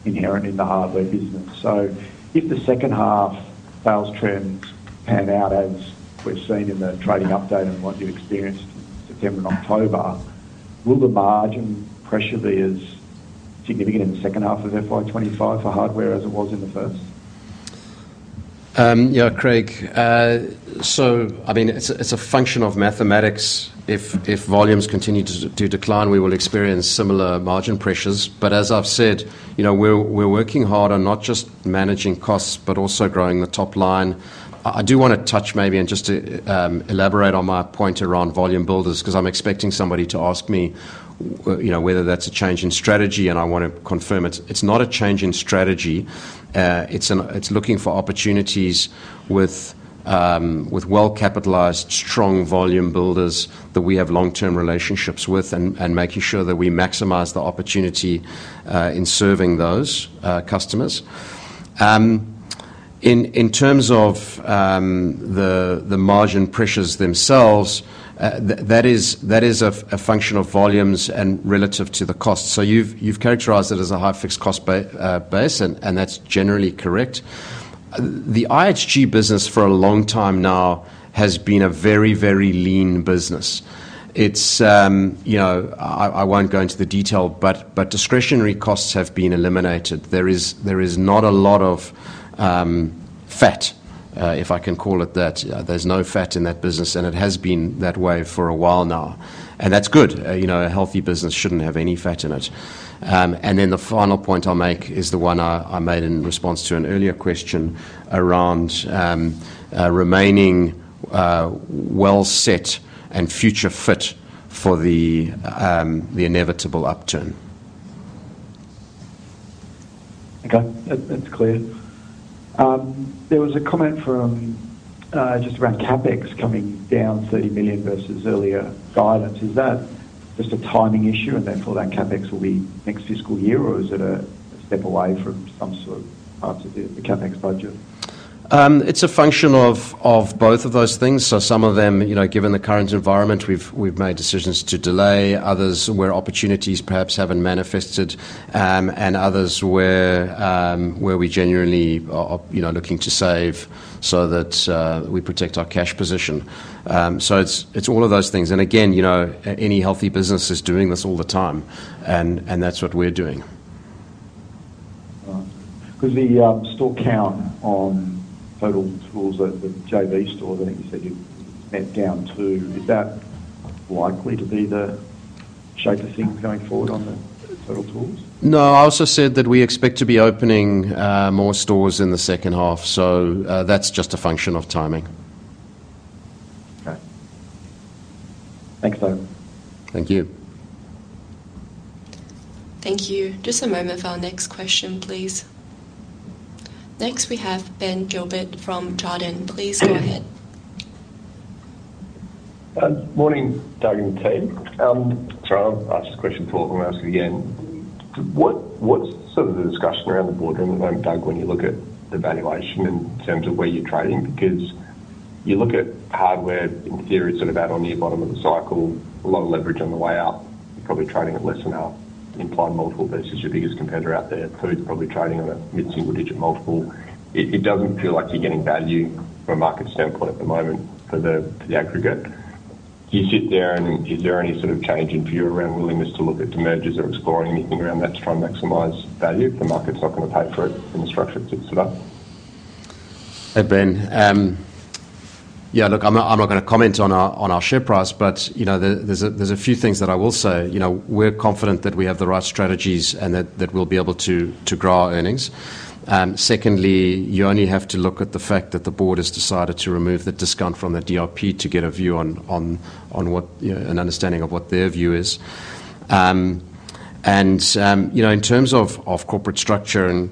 inherent in the hardware business. So if the second half sales trends pan out as we've seen in the trading update and what you experienced in September and October, will the margin pressure be as significant in the second half of FY25 for hardware as it was in the first? Yeah, Craig. So I mean, it's a function of mathematics. If volumes continue to decline, we will experience similar margin pressures. But as I've said, we're working hard on not just managing costs, but also growing the top line. I do want to touch maybe and just elaborate on my point around volume builders because I'm expecting somebody to ask me whether that's a change in strategy, and I want to confirm it's not a change in strategy. It's looking for opportunities with well-capitalized, strong volume builders that we have long-term relationships with and making sure that we maximize the opportunity in serving those customers. In terms of the margin pressures themselves, that is a function of volumes and relative to the cost. So you've characterized it as a high fixed cost base, and that's generally correct. The IHG business for a long time now has been a very, very lean business. I won't go into the detail, but discretionary costs have been eliminated. There is not a lot of fat, if I can call it that. There's no fat in that business, and it has been that way for a while now. And that's good. A healthy business shouldn't have any fat in it. And then the final point I'll make is the one I made in response to an earlier question around remaining well-set and future-fit for the inevitable upturn. Okay. That's clear. There was a comment from just around CapEx coming down 30 million versus earlier guidance. Is that just a timing issue and therefore that CapEx will be next fiscal year, or is it a step away from some sort of part of the CapEx budget? It's a function of both of those things. So some of them, given the current environment, we've made decisions to delay. Others where opportunities perhaps haven't manifested, and others where we genuinely are looking to save so that we protect our cash position. So it's all of those things. And again, any healthy business is doing this all the time, and that's what we're doing. Could we still count on Total Tools at the JB store that you said you'd map down to? Is that likely to be the shape of things going forward on the Total Tools? No. I also said that we expect to be opening more stores in the second half. So that's just a function of timing. Okay. Thanks, Doug. Thank you. Thank you. Just a moment for our next question, please. Next, we have Ben Gilbert from Jarden. Please go ahead. Morning, Doug and team. Sorry, I'll ask this question before I ask it again. What's sort of the discussion around the board around Doug when you look at the valuation in terms of where you're trading? Because you look at hardware, in theory, sort of out on the bottom of the cycle, a lot of leverage on the way out. You're probably trading at less than half. Implied multiple versus your biggest competitor out there. Foods probably trading on a mid-single-digit multiple. It doesn't feel like you're getting value from a market standpoint at the moment for the aggregate. Do you sit there and is there any sort of change in view around willingness to look at mergers or exploring anything around that to try and maximize value if the market's not going to pay for it in the structure it sits at? Hey, Ben. Yeah, look, I'm not going to comment on our share price, but there's a few things that I will say. We're confident that we have the right strategies and that we'll be able to grow our earnings. Secondly, you only have to look at the fact that the board has decided to remove the discount from the DRP to get a view on what an understanding of what their view is. And in terms of corporate structure,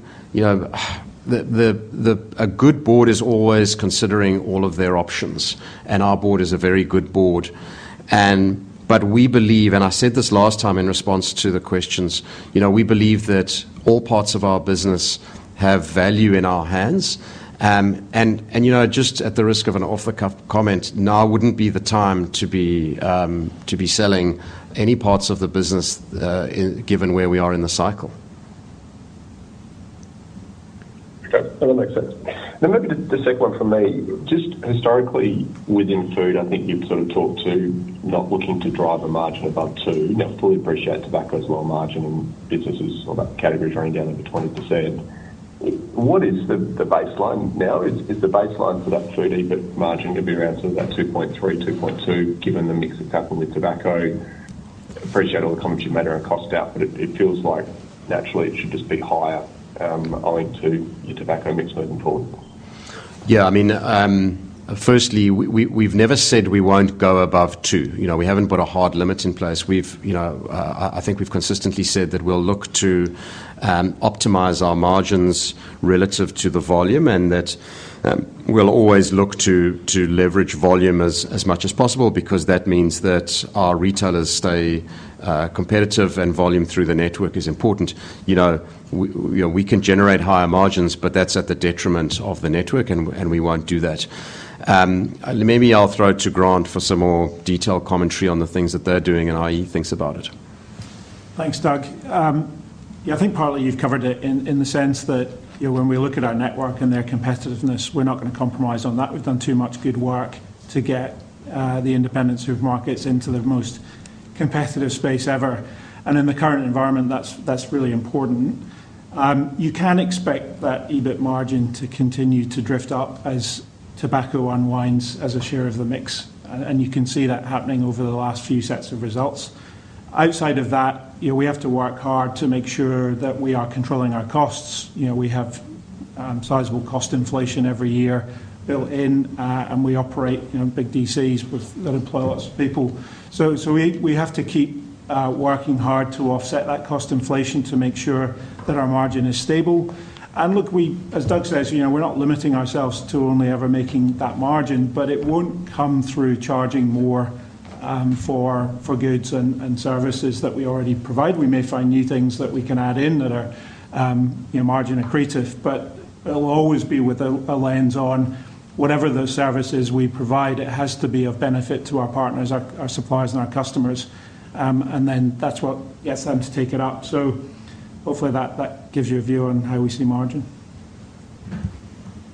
a good board is always considering all of their options, and our board is a very good board. But we believe, and I said this last time in response to the questions, we believe that all parts of our business have value in our hands. Just at the risk of an off-the-cuff comment, now wouldn't be the time to be selling any parts of the business given where we are in the cycle. Okay. That all makes sense. Now, maybe just a second one from me. Just historically within food, I think you've sort of talked to not looking to drive a margin above 2%. Now, fully appreciate tobacco's low margin in businesses or that category is running down over 20%. What is the baseline now? Is the baseline for that food margin going to be around sort of that 2.3%-2.2% given the mix of tobacco? Appreciate all the commentary matter and cost out, but it feels like naturally it should just be higher owing to your tobacco mix moving forward. Yeah. I mean, firstly, we've never said we won't go above two. We haven't put a hard limit in place. I think we've consistently said that we'll look to optimize our margins relative to the volume and that we'll always look to leverage volume as much as possible because that means that our retailers stay competitive and volume through the network is important. We can generate higher margins, but that's at the detriment of the network, and we won't do that. Maybe I'll throw it to Grant for some more detailed commentary on the things that they're doing and how he thinks about it. Thanks, Doug. Yeah, I think partly you've covered it in the sense that when we look at our network and their competitiveness, we're not going to compromise on that. We've done too much good work to get the independent markets into the most competitive space ever. And in the current environment, that's really important. You can expect that EBIT margin to continue to drift up as tobacco unwinds as a share of the mix, and you can see that happening over the last few sets of results. Outside of that, we have to work hard to make sure that we are controlling our costs. We have sizable cost inflation every year built in, and we operate big DCs that employ lots of people. So we have to keep working hard to offset that cost inflation to make sure that our margin is stable. Look, as Doug says, we're not limiting ourselves to only ever making that margin, but it won't come through charging more for goods and services that we already provide. We may find new things that we can add in that are margin accretive, but it'll always be with a lens on whatever those services we provide. It has to be of benefit to our partners, our suppliers, and our customers. Then that's what gets them to take it up. Hopefully that gives you a view on how we see margin.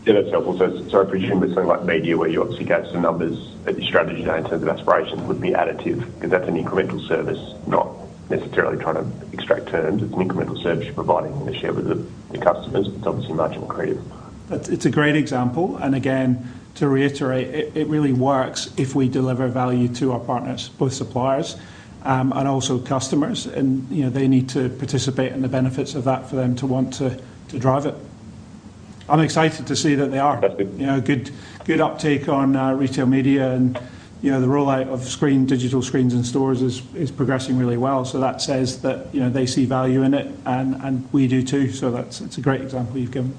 Yeah, that's helpful. So it's appreciated with something like media where you obviously get some numbers at your strategy now in terms of aspirations would be additive because that's an incremental service, not necessarily trying to extract terms. It's an incremental service you're providing in the share with the customers. It's obviously margin accretive. It's a great example. And again, to reiterate, it really works if we deliver value to our partners, both suppliers and also customers. And they need to participate in the benefits of that for them to want to drive it. I'm excited to see that they are. That's good. Good uptake on retail media and the rollout of digital screens in stores is progressing really well. So that says that they see value in it, and we do too. So it's a great example you've given.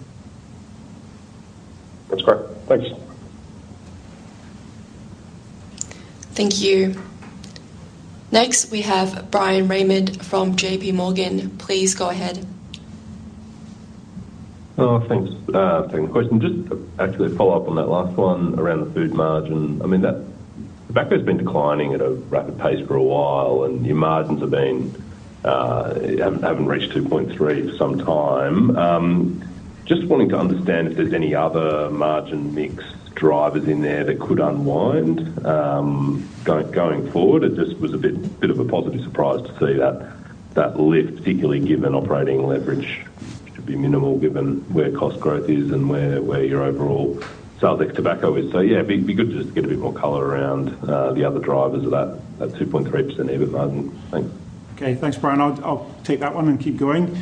That's great. Thanks. Thank you. Next, we have Bryan Raymond from JPMorgan. Please go ahead. Oh, thanks. Second question. Just actually a follow-up on that last one around the food margin. I mean, tobacco has been declining at a rapid pace for a while, and your margins haven't reached 2.3 for some time. Just wanting to understand if there's any other margin mix drivers in there that could unwind going forward. It just was a bit of a positive surprise to see that lift, particularly given operating leverage should be minimal given where cost growth is and where your overall sales tobacco is. So yeah, it'd be good to just get a bit more color around the other drivers of that 2.3% EBIT margin. Thanks. Okay. Thanks, Brian. I'll take that one and keep going.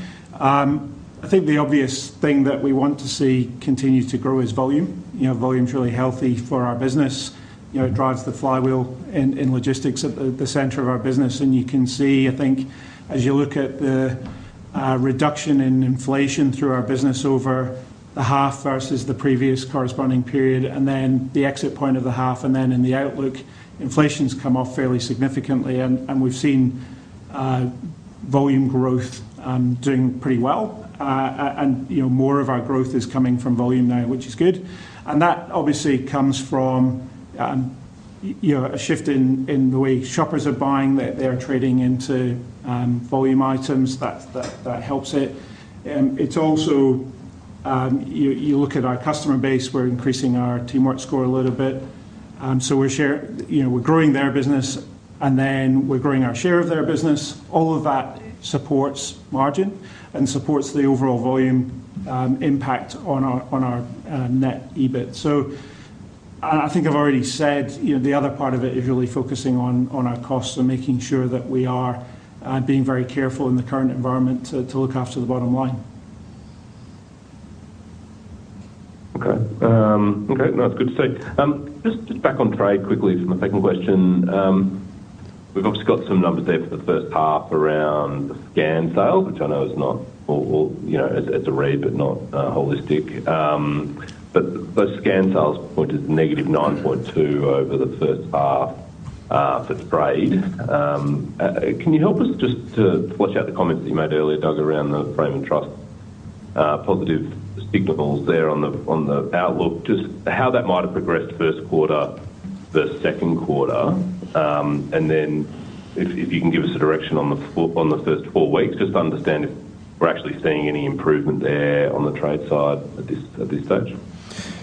I think the obvious thing that we want to see continue to grow is volume. Volume's really healthy for our business. It drives the flywheel in logistics at the center of our business. And you can see, I think, as you look at the reduction in inflation through our business over the half versus the previous corresponding period, and then the exit point of the half, and then in the outlook, inflation's come off fairly significantly. And we've seen volume growth doing pretty well. And more of our growth is coming from volume now, which is good. And that obviously comes from a shift in the way shoppers are buying that they're trading into volume items. That helps it. It's also you look at our customer base. We're increasing our Teamwork Score a little bit. So we're growing their business, and then we're growing our share of their business. All of that supports margin and supports the overall volume impact on our net EBIT. So I think I've already said the other part of it is really focusing on our costs and making sure that we are being very careful in the current environment to look after the bottom line. Okay. Okay. No, that's good to see. Just back on trade quickly from a second question. We've obviously got some numbers there for the first half around the scan sales, which I know is not a great read, but not holistic. But the scan sales point is negative 9.2% over the first half for trade. Can you help us just to flesh out the comments that you made earlier, Doug, around the frame and truss positive signals there on the outlook, just how that might have progressed Q1, the Q2? And then if you can give us a direction on the first four weeks, just to understand if we're actually seeing any improvement there on the trade side at this stage.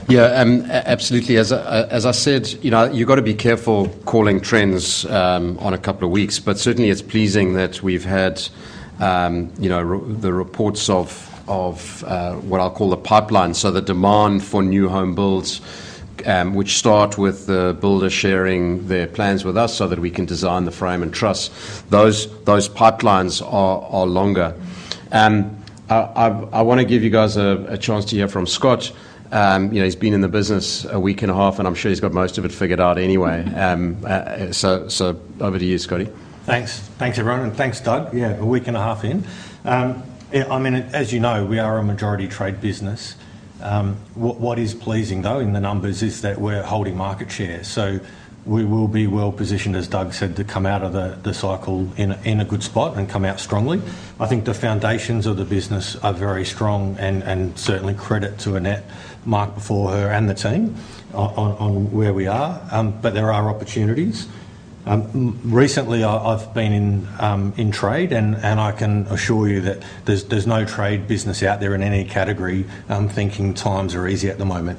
Yeah. Absolutely. As I said, you've got to be careful calling trends on a couple of weeks, but certainly it's pleasing that we've had the reports of what I'll call the pipeline. So the demand for new home builds, which start with the builder sharing their plans with us so that we can design the frame and truss, those pipelines are longer. I want to give you guys a chance to hear from Scott. He's been in the business a week and a half, and I'm sure he's got most of it figured out anyway. So over to you, Scotty. Thanks. Thanks, everyone, and thanks, Doug. Yeah, a week and a half in. I mean, as you know, we are a majority trade business. What is pleasing, though, in the numbers is that we're holding market share, so we will be well positioned, as Doug said, to come out of the cycle in a good spot and come out strongly. I think the foundations of the business are very strong and certainly credit to Annette, Mark before her and the team on where we are, but there are opportunities. Recently, I've been in trade, and I can assure you that there's no trade business out there in any category thinking times are easy at the moment,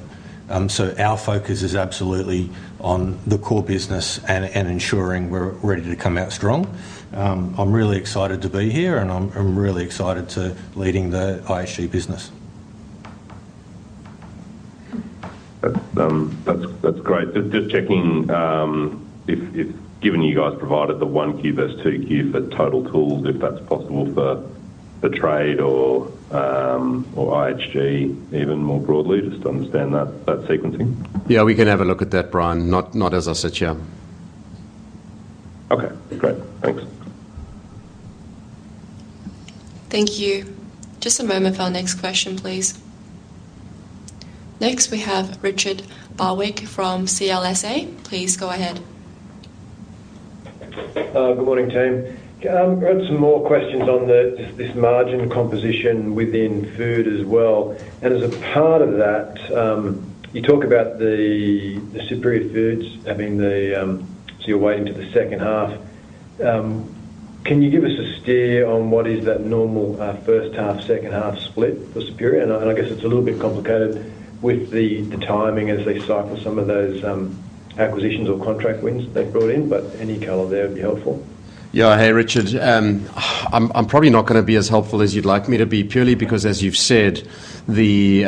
so our focus is absolutely on the core business and ensuring we're ready to come out strong. I'm really excited to be here, and I'm really excited to be leading the IHG business. That's great. Just checking if given you guys provided the 1Q versus 2Q for Total Tools, if that's possible for trade or IHG even more broadly, just to understand that sequencing. Yeah, we can have a look at that, Bryan, not as I said to you. Okay. Great. Thanks. Thank you. Just a moment for our next question, please. Next, we have Richard Barwick from CLSA. Please go ahead. Good morning, team. I've got some more questions on this margin composition within food as well. And as a part of that, you talk about the Superior Foods having, so you're weighting to the second half. Can you give us a steer on what is that normal first half, second half split for Superior Foods? And I guess it's a little bit complicated with the timing as they cycle some of those acquisitions or contract wins that they've brought in, but any color there would be helpful. Yeah. Hey, Richard, I'm probably not going to be as helpful as you'd like me to be purely because, as you've said, the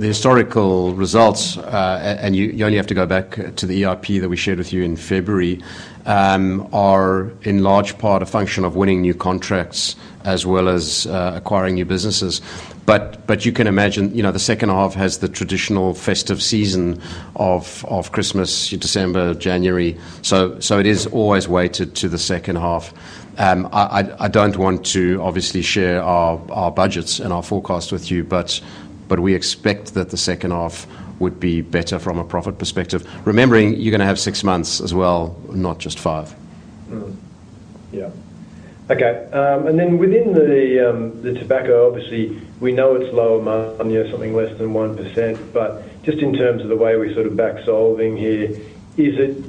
historical results, and you only have to go back to the ERP that we shared with you in February, are in large part a function of winning new contracts as well as acquiring new businesses. But you can imagine the second half has the traditional festive season of Christmas, December, January. So it is always weighted to the second half. I don't want to obviously share our budgets and our forecast with you, but we expect that the second half would be better from a profit perspective, remembering you're going to have six months as well, not just five. Yeah. Okay. And then within the tobacco, obviously, we know it's low amount, something less than 1%. But just in terms of the way we're sort of back-solving here, is it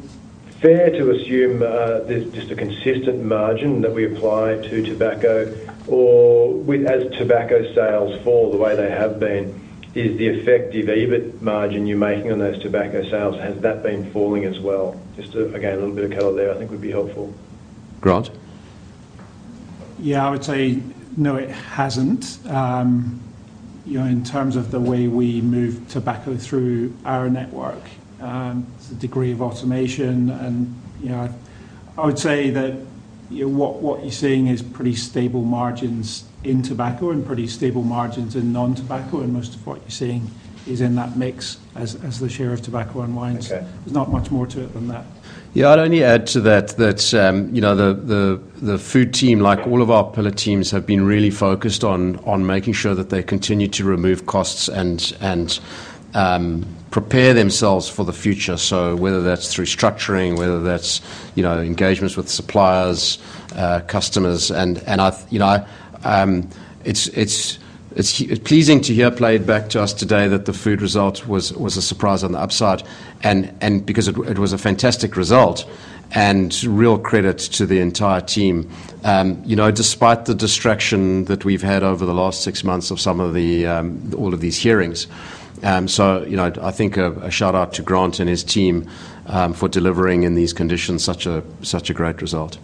fair to assume there's just a consistent margin that we apply to tobacco? Or as tobacco sales fall the way they have been, is the effective EBIT margin you're making on those tobacco sales, has that been falling as well? Just again, a little bit of color there I think would be helpful. Grant? Yeah, I would say no, it hasn't. In terms of the way we move tobacco through our network, it's a degree of automation. And I would say that what you're seeing is pretty stable margins in tobacco and pretty stable margins in non-tobacco. And most of what you're seeing is in that mix as the share of tobacco unwinds. There's not much more to it than that. Yeah. I'd only add to that that the food team, like all of our pillar teams, have been really focused on making sure that they continue to remove costs and prepare themselves for the future, so whether that's through structuring, whether that's engagements with suppliers, customers, and it's pleasing to hear played back to us today that the food result was a surprise on the upside because it was a fantastic result and real credit to the entire team, despite the distraction that we've had over the last six months of some of all of these hearings, so I think a shout-out to Grant and his team for delivering in these conditions such a great result.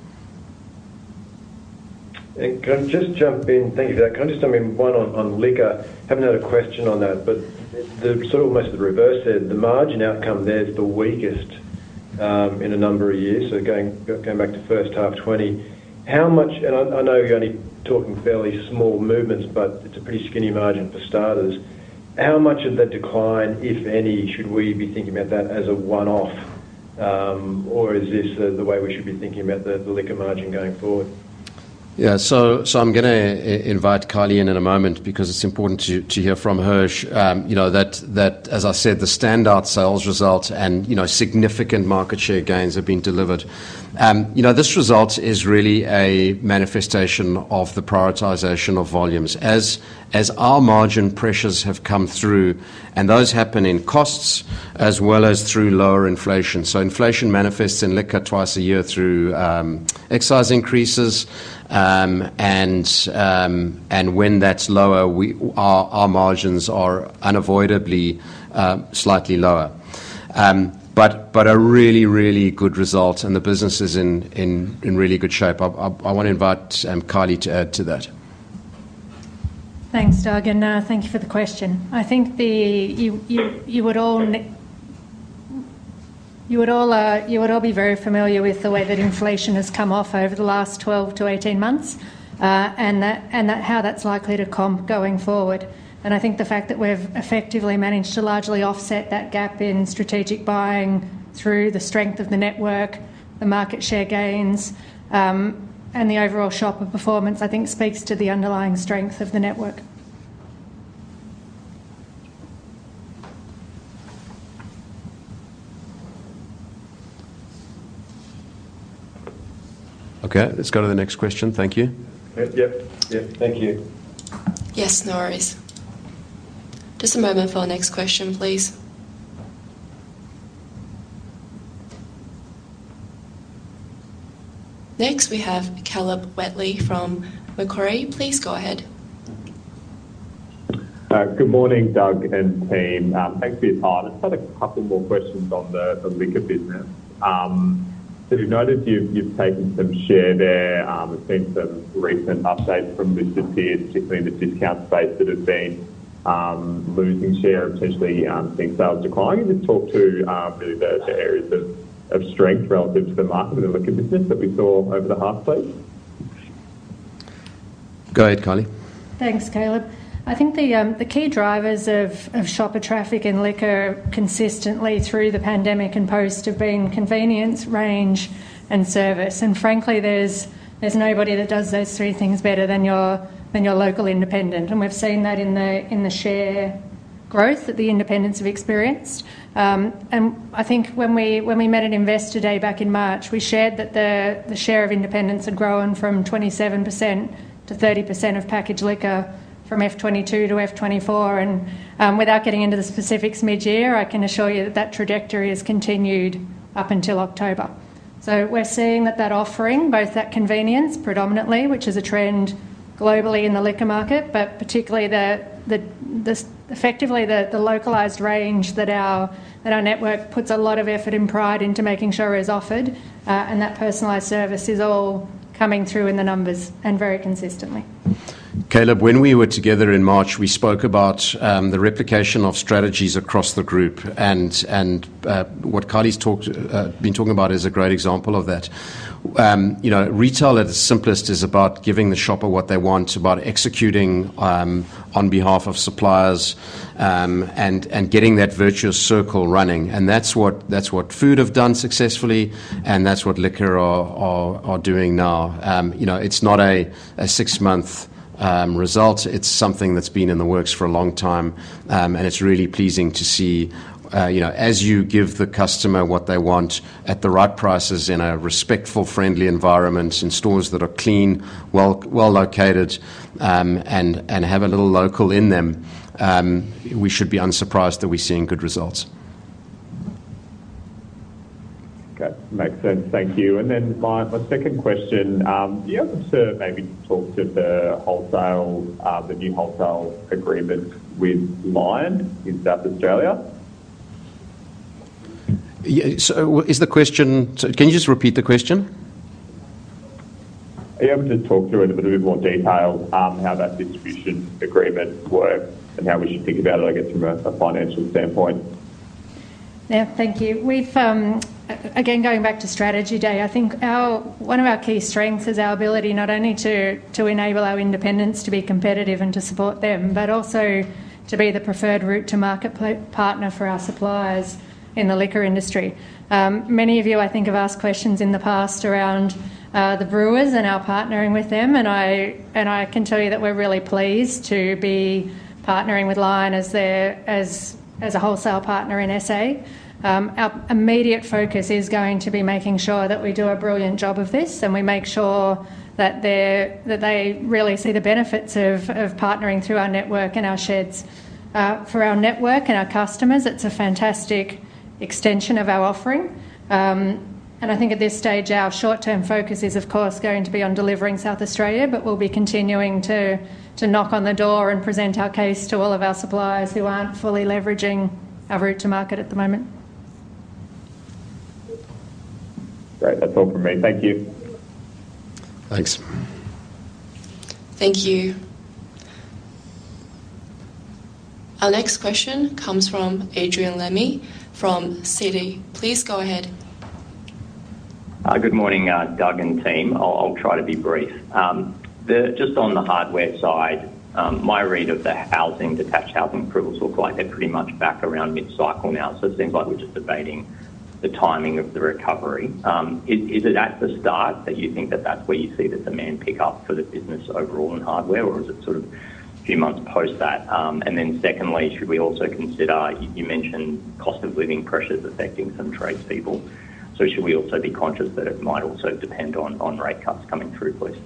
Can I just jump in? Thank you for that. Can I just jump in? One on liquor, haven't had a question on that, but sort of almost the reverse there. The margin outcome there is the weakest in a number of years, so going back to first half 2020, how much, and I know you're only talking fairly small movements, but it's a pretty skinny margin for starters. How much of that decline, if any, should we be thinking about that as a one-off? Or is this the way we should be thinking about the liquor margin going forward? Yeah, so I'm going to invite Kylie in in a moment because it's important to hear from her. As I said, the standout sales result and significant market share gains have been delivered. This result is really a manifestation of the prioritization of volumes. As our margin pressures have come through, and those happen in costs as well as through lower inflation, so inflation manifests in liquor twice a year through excise increases, and when that's lower, our margins are unavoidably slightly lower, but a really, really good result, and the business is in really good shape. I want to invite Kylie to add to that. Thanks, Doug. And thank you for the question. I think you would all be very familiar with the way that inflation has come off over the last 12-18 months and how that's likely to come going forward. And I think the fact that we've effectively managed to largely offset that gap in strategic buying through the strength of the network, the market share gains, and the overall shopper performance, I think, speaks to the underlying strength of the network. Okay. Let's go to the next question. Thank you. Yep. Yeah. Thank you. Yes. No worries. Just a moment for our next question, please. Next, we have Caleb Wei from Macquarie. Please go ahead. Good morning, Doug and team. Thanks for your time. I just had a couple more questions on the liquor business. So we've noticed you've taken some share there. We've seen some recent updates from listed peers, particularly in the discount space that have been losing share and potentially seeing sales decline. Can you just talk to really the areas of strength relative to the market and the liquor business that we saw over the half space? Go ahead, Kylie. Thanks, Caleb. I think the key drivers of shopper traffic in liquor consistently through the pandemic and post have been convenience, range, and service. And frankly, there's nobody that does those three things better than your local independent. And we've seen that in the share growth that the independents have experienced. And I think when we met at Investor Dayback in March, we shared that the share of independents had grown from 27% to 30% of packaged liquor from F22 to F24. And without getting into the specifics mid-year, I can assure you that that trajectory has continued up until October. We're seeing that offering, both that convenience predominantly, which is a trend globally in the liquor market, but particularly effectively the localized range that our network puts a lot of effort and pride into making sure is offered, and that personalized service is all coming through in the numbers and very consistently. Caleb, when we were together in March, we spoke about the replication of strategies across the group. And what Kylie's been talking about is a great example of that. Retail, at its simplest, is about giving the shopper what they want, about executing on behalf of suppliers and getting that virtuous circle running. And that's what food have done successfully, and that's what liquor are doing now. It's not a six-month result. It's something that's been in the works for a long time. And it's really pleasing to see as you give the customer what they want at the right prices in a respectful, friendly environment in stores that are clean, well-located, and have a little local in them, we should be unsurprised that we're seeing good results. Okay. Makes sense. Thank you. And then my second question, do you have time maybe to talk to the new wholesale agreement with Lion in South Australia? So, is the question? Can you just repeat the question? Are you able to talk to it a bit more detailed, how that distribution agreement works and how we should think about it, I guess, from a financial standpoint? Yeah. Thank you. Again, going back to strategy Day I think one of our key strengths is our ability not only to enable our independents to be competitive and to support them, but also to be the preferred route-to-market partner for our suppliers in the liquor industry. Many of you, I think, have asked questions in the past around the brewers and our partnering with them. And I can tell you that we're really pleased to be partnering with Lion as a wholesale partner in SA. Our immediate focus is going to be making sure that we do a brilliant job of this and we make sure that they really see the benefits of partnering through our network and our sheds for our network and our customers. It's a fantastic extension of our offering. I think at this stage, our short-term focus is, of course, going to be on delivering South Australia, but we'll be continuing to knock on the door and present our case to all of our suppliers who aren't fully leveraging our route-to-market at the moment. Great. That's all from me. Thank you. Thanks. Thank you. Our next question comes from Adrian Lemme from Citi. Please go ahead. Good morning, Doug and team. I'll try to be brief. Just on the hardware side, my read of the detached housing approvals look like they're pretty much back around mid-cycle now. So it seems like we're just debating the timing of the recovery. Is it at the start that you think that that's where you see the demand pick up for the business overall in hardware, or is it sort of a few months post that? And then secondly, should we also consider you mentioned cost of living pressures affecting some tradespeople? So should we also be conscious that it might also depend on rate cuts coming through, please?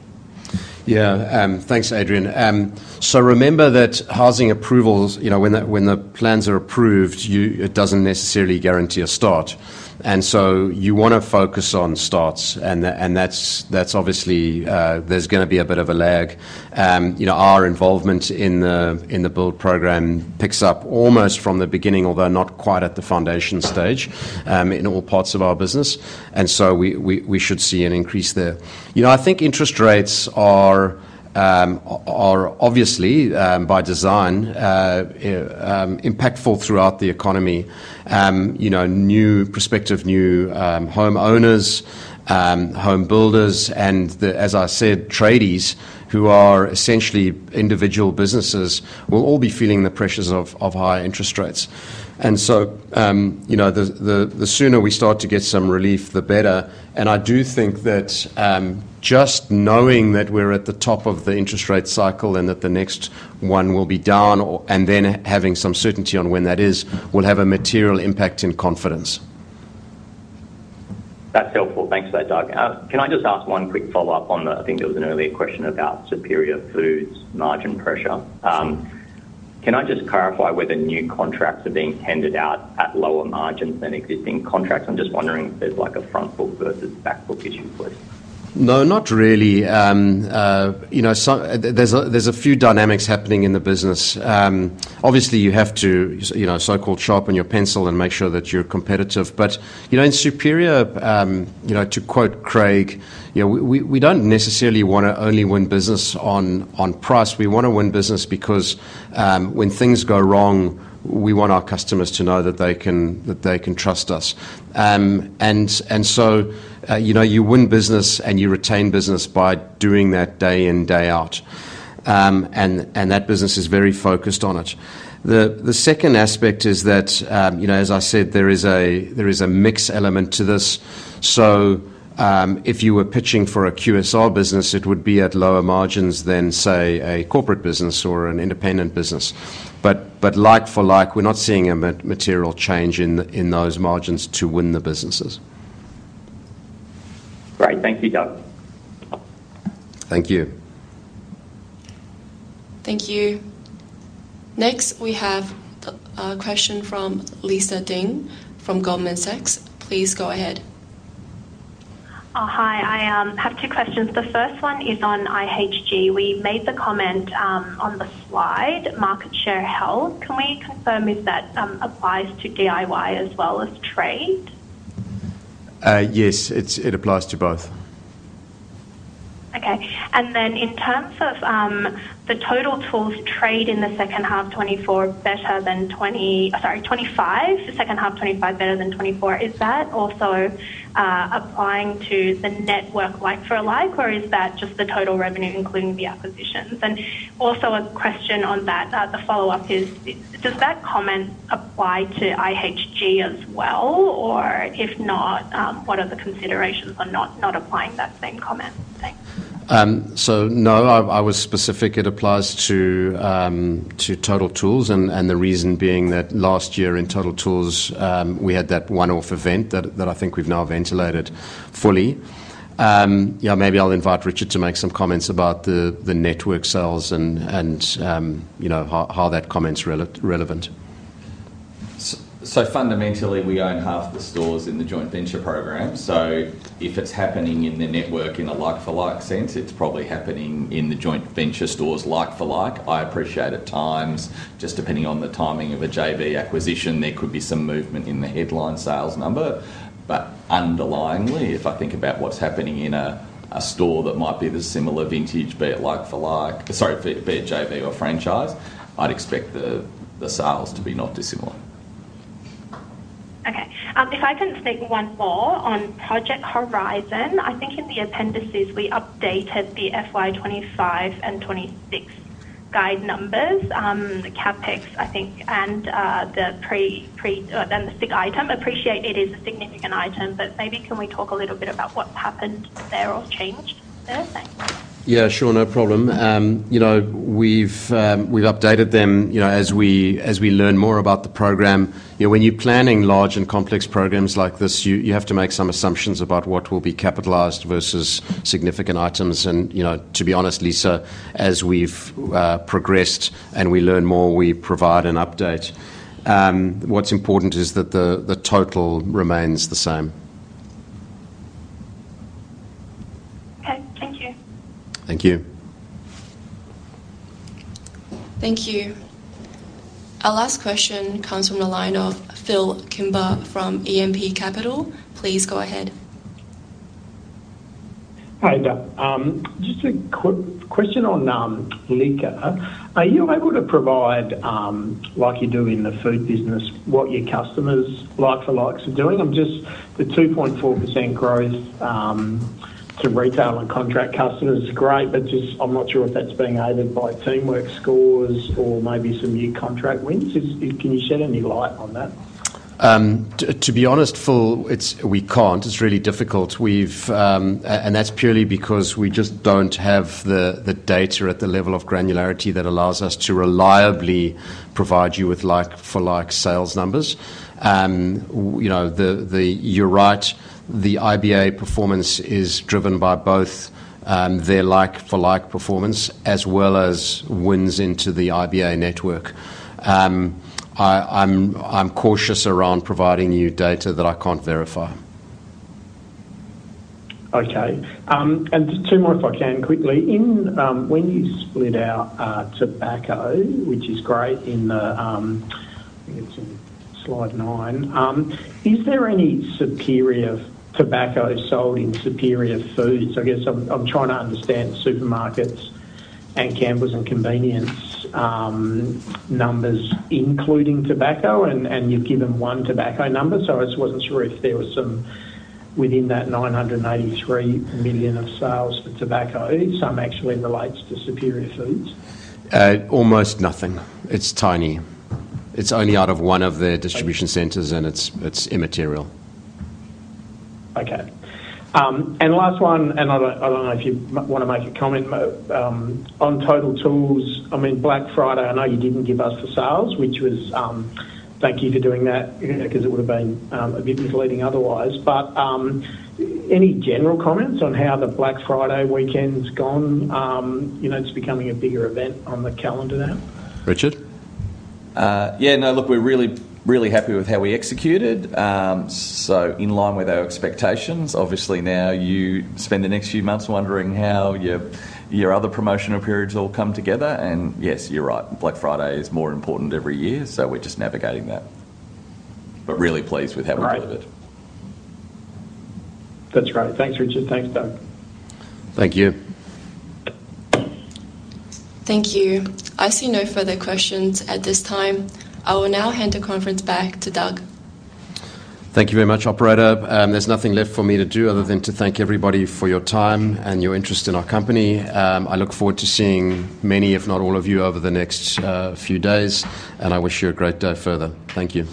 Yeah. Thanks, Adrian. So remember that housing approvals, when the plans are approved, it doesn't necessarily guarantee a start. And so you want to focus on starts. And that's obviously there's going to be a bit of a lag. Our involvement in the build program picks up almost from the beginning, although not quite at the foundation stage in all parts of our business. And so we should see an increase there. I think interest rates are obviously, by design, impactful throughout the economy. New prospective new homeowners, home builders, and, as I said, tradies who are essentially individual businesses will all be feeling the pressures of high interest rates. And so the sooner we start to get some relief, the better. I do think that just knowing that we're at the top of the interest rate cycle and that the next one will be down and then having some certainty on when that is will have a material impact in confidence. That's helpful. Thanks for that, Doug. Can I just ask one quick follow-up on the. I think there was an earlier question about Superior Foods margin pressure. Can I just clarify whether new contracts are being handed out at lower margins than existing contracts? I'm just wondering if there's a front book versus back book issue, please. No, not really. There's a few dynamics happening in the business. Obviously, you have to so-called sharpen your pencil and make sure that you're competitive. But in Superior, to quote Craig, we don't necessarily want to only win business on price. We want to win business because when things go wrong, we want our customers to know that they can trust us. And so you win business and you retain business by doing that day in, day out. And that business is very focused on it. The second aspect is that, as I said, there is a mixed element to this. So if you were pitching for a QSR business, it would be at lower margins than, say, a corporate business or an independent business. But like for like, we're not seeing a material change in those margins to win the businesses. Great. Thank you, Doug. Thank you. Thank you. Next, we have a question from Lisa Ding from Goldman Sachs. Please go ahead. Hi. I have two questions. The first one is on IHG. We made the comment on the slide, market share held. Can we confirm if that applies to DIY as well as trade? Yes. It applies to both. Okay. And then in terms of the Total Tools trade in the second half 2024 better than 2020 sorry, 2025, second half 2025 better than 2024, is that also applying to the network like for like, or is that just the total revenue including the acquisitions? And also a question on that, the follow-up is, does that comment apply to IHG as well? Or if not, what are the considerations on not applying that same comment? Thanks. So no, I was specific. It applies to Total Tools. And the reason being that last year in Total Tools, we had that one-off event that I think we've now ventilated fully. Maybe I'll invite Richard to make some comments about the network sales and how that comment's relevant. So fundamentally, we own half the stores in the joint venture program. So if it's happening in the network in a like-for-like sense, it's probably happening in the joint venture stores like-for-like. I appreciate at times, just depending on the timing of a JV acquisition, there could be some movement in the headline sales number. But underlyingly, if I think about what's happening in a store that might be the similar vintage, be it like-for-like sorry, be it JV or franchise, I'd expect the sales to be not dissimilar. Okay. If I can speak one more on Project Horizon. I think in the appendices, we updated the FY25 and '26 guide numbers, the CapEx, I think, and the significant item. Appreciate it is a significant item, but maybe can we talk a little bit about what's happened there or changed there? Thanks. Yeah. Sure. No problem. We've updated them as we learn more about the program. When you're planning large and complex programs like this, you have to make some assumptions about what will be capitalized versus significant items. And to be honest, Lisa, as we've progressed and we learn more, we provide an update. What's important is that the total remains the same. Okay. Thank you. Thank you. Thank you. Our last question comes from the line of Phil Kimber from E&P Capital. Please go ahead. Hi, Doug. Just a quick question on liquor. Are you able to provide, like you do in the food business, what your customers like-for-likes are doing? The 2.4% growth to retail and contract customers is great, but I'm not sure if that's being aided by teamwork scores or maybe some new contract wins. Can you shed any light on that? To be honest, Phil, we can't. It's really difficult, and that's purely because we just don't have the data at the level of granularity that allows us to reliably provide you with like-for-like sales numbers. You're right. The IBA performance is driven by both their like-for-like performance as well as wins into the IBA network. I'm cautious around providing you data that I can't verify. Okay. And two more, if I can quickly. When you split out tobacco, which is great in the I think it's in slide nine, is there any superior tobacco sold in Superior Foods? I guess I'm trying to understand supermarkets and c-store and convenience numbers, including tobacco, and you've given one tobacco number. So I just wasn't sure if there was some within that 983 million of sales for tobacco, some actually relates to Superior Foods. Almost nothing. It's tiny. It's only out of one of the distribution centers, and it's immaterial. Okay. And last one, and I don't know if you want to make a comment. On Total Tools, I mean, Black Friday, I know you didn't give us the sales, which was thank you for doing that because it would have been a bit misleading otherwise. But any general comments on how the Black Friday weekend's gone? It's becoming a bigger event on the calendar now. Richard? Yeah. No, look, we're really, really happy with how we executed. So in line with our expectations, obviously. Now you spend the next few months wondering how your other promotional periods all come together. And yes, you're right. Black Friday is more important every year. So we're just navigating that. But really pleased with how we delivered. That's great. Thanks, Richard. Thanks, Doug. Thank you. Thank you. I see no further questions at this time. I will now hand the conference back to Doug. Thank you very much, operator. There's nothing left for me to do other than to thank everybody for your time and your interest in our company. I look forward to seeing many, if not all of you, over the next few days, and I wish you a great day further. Thank you.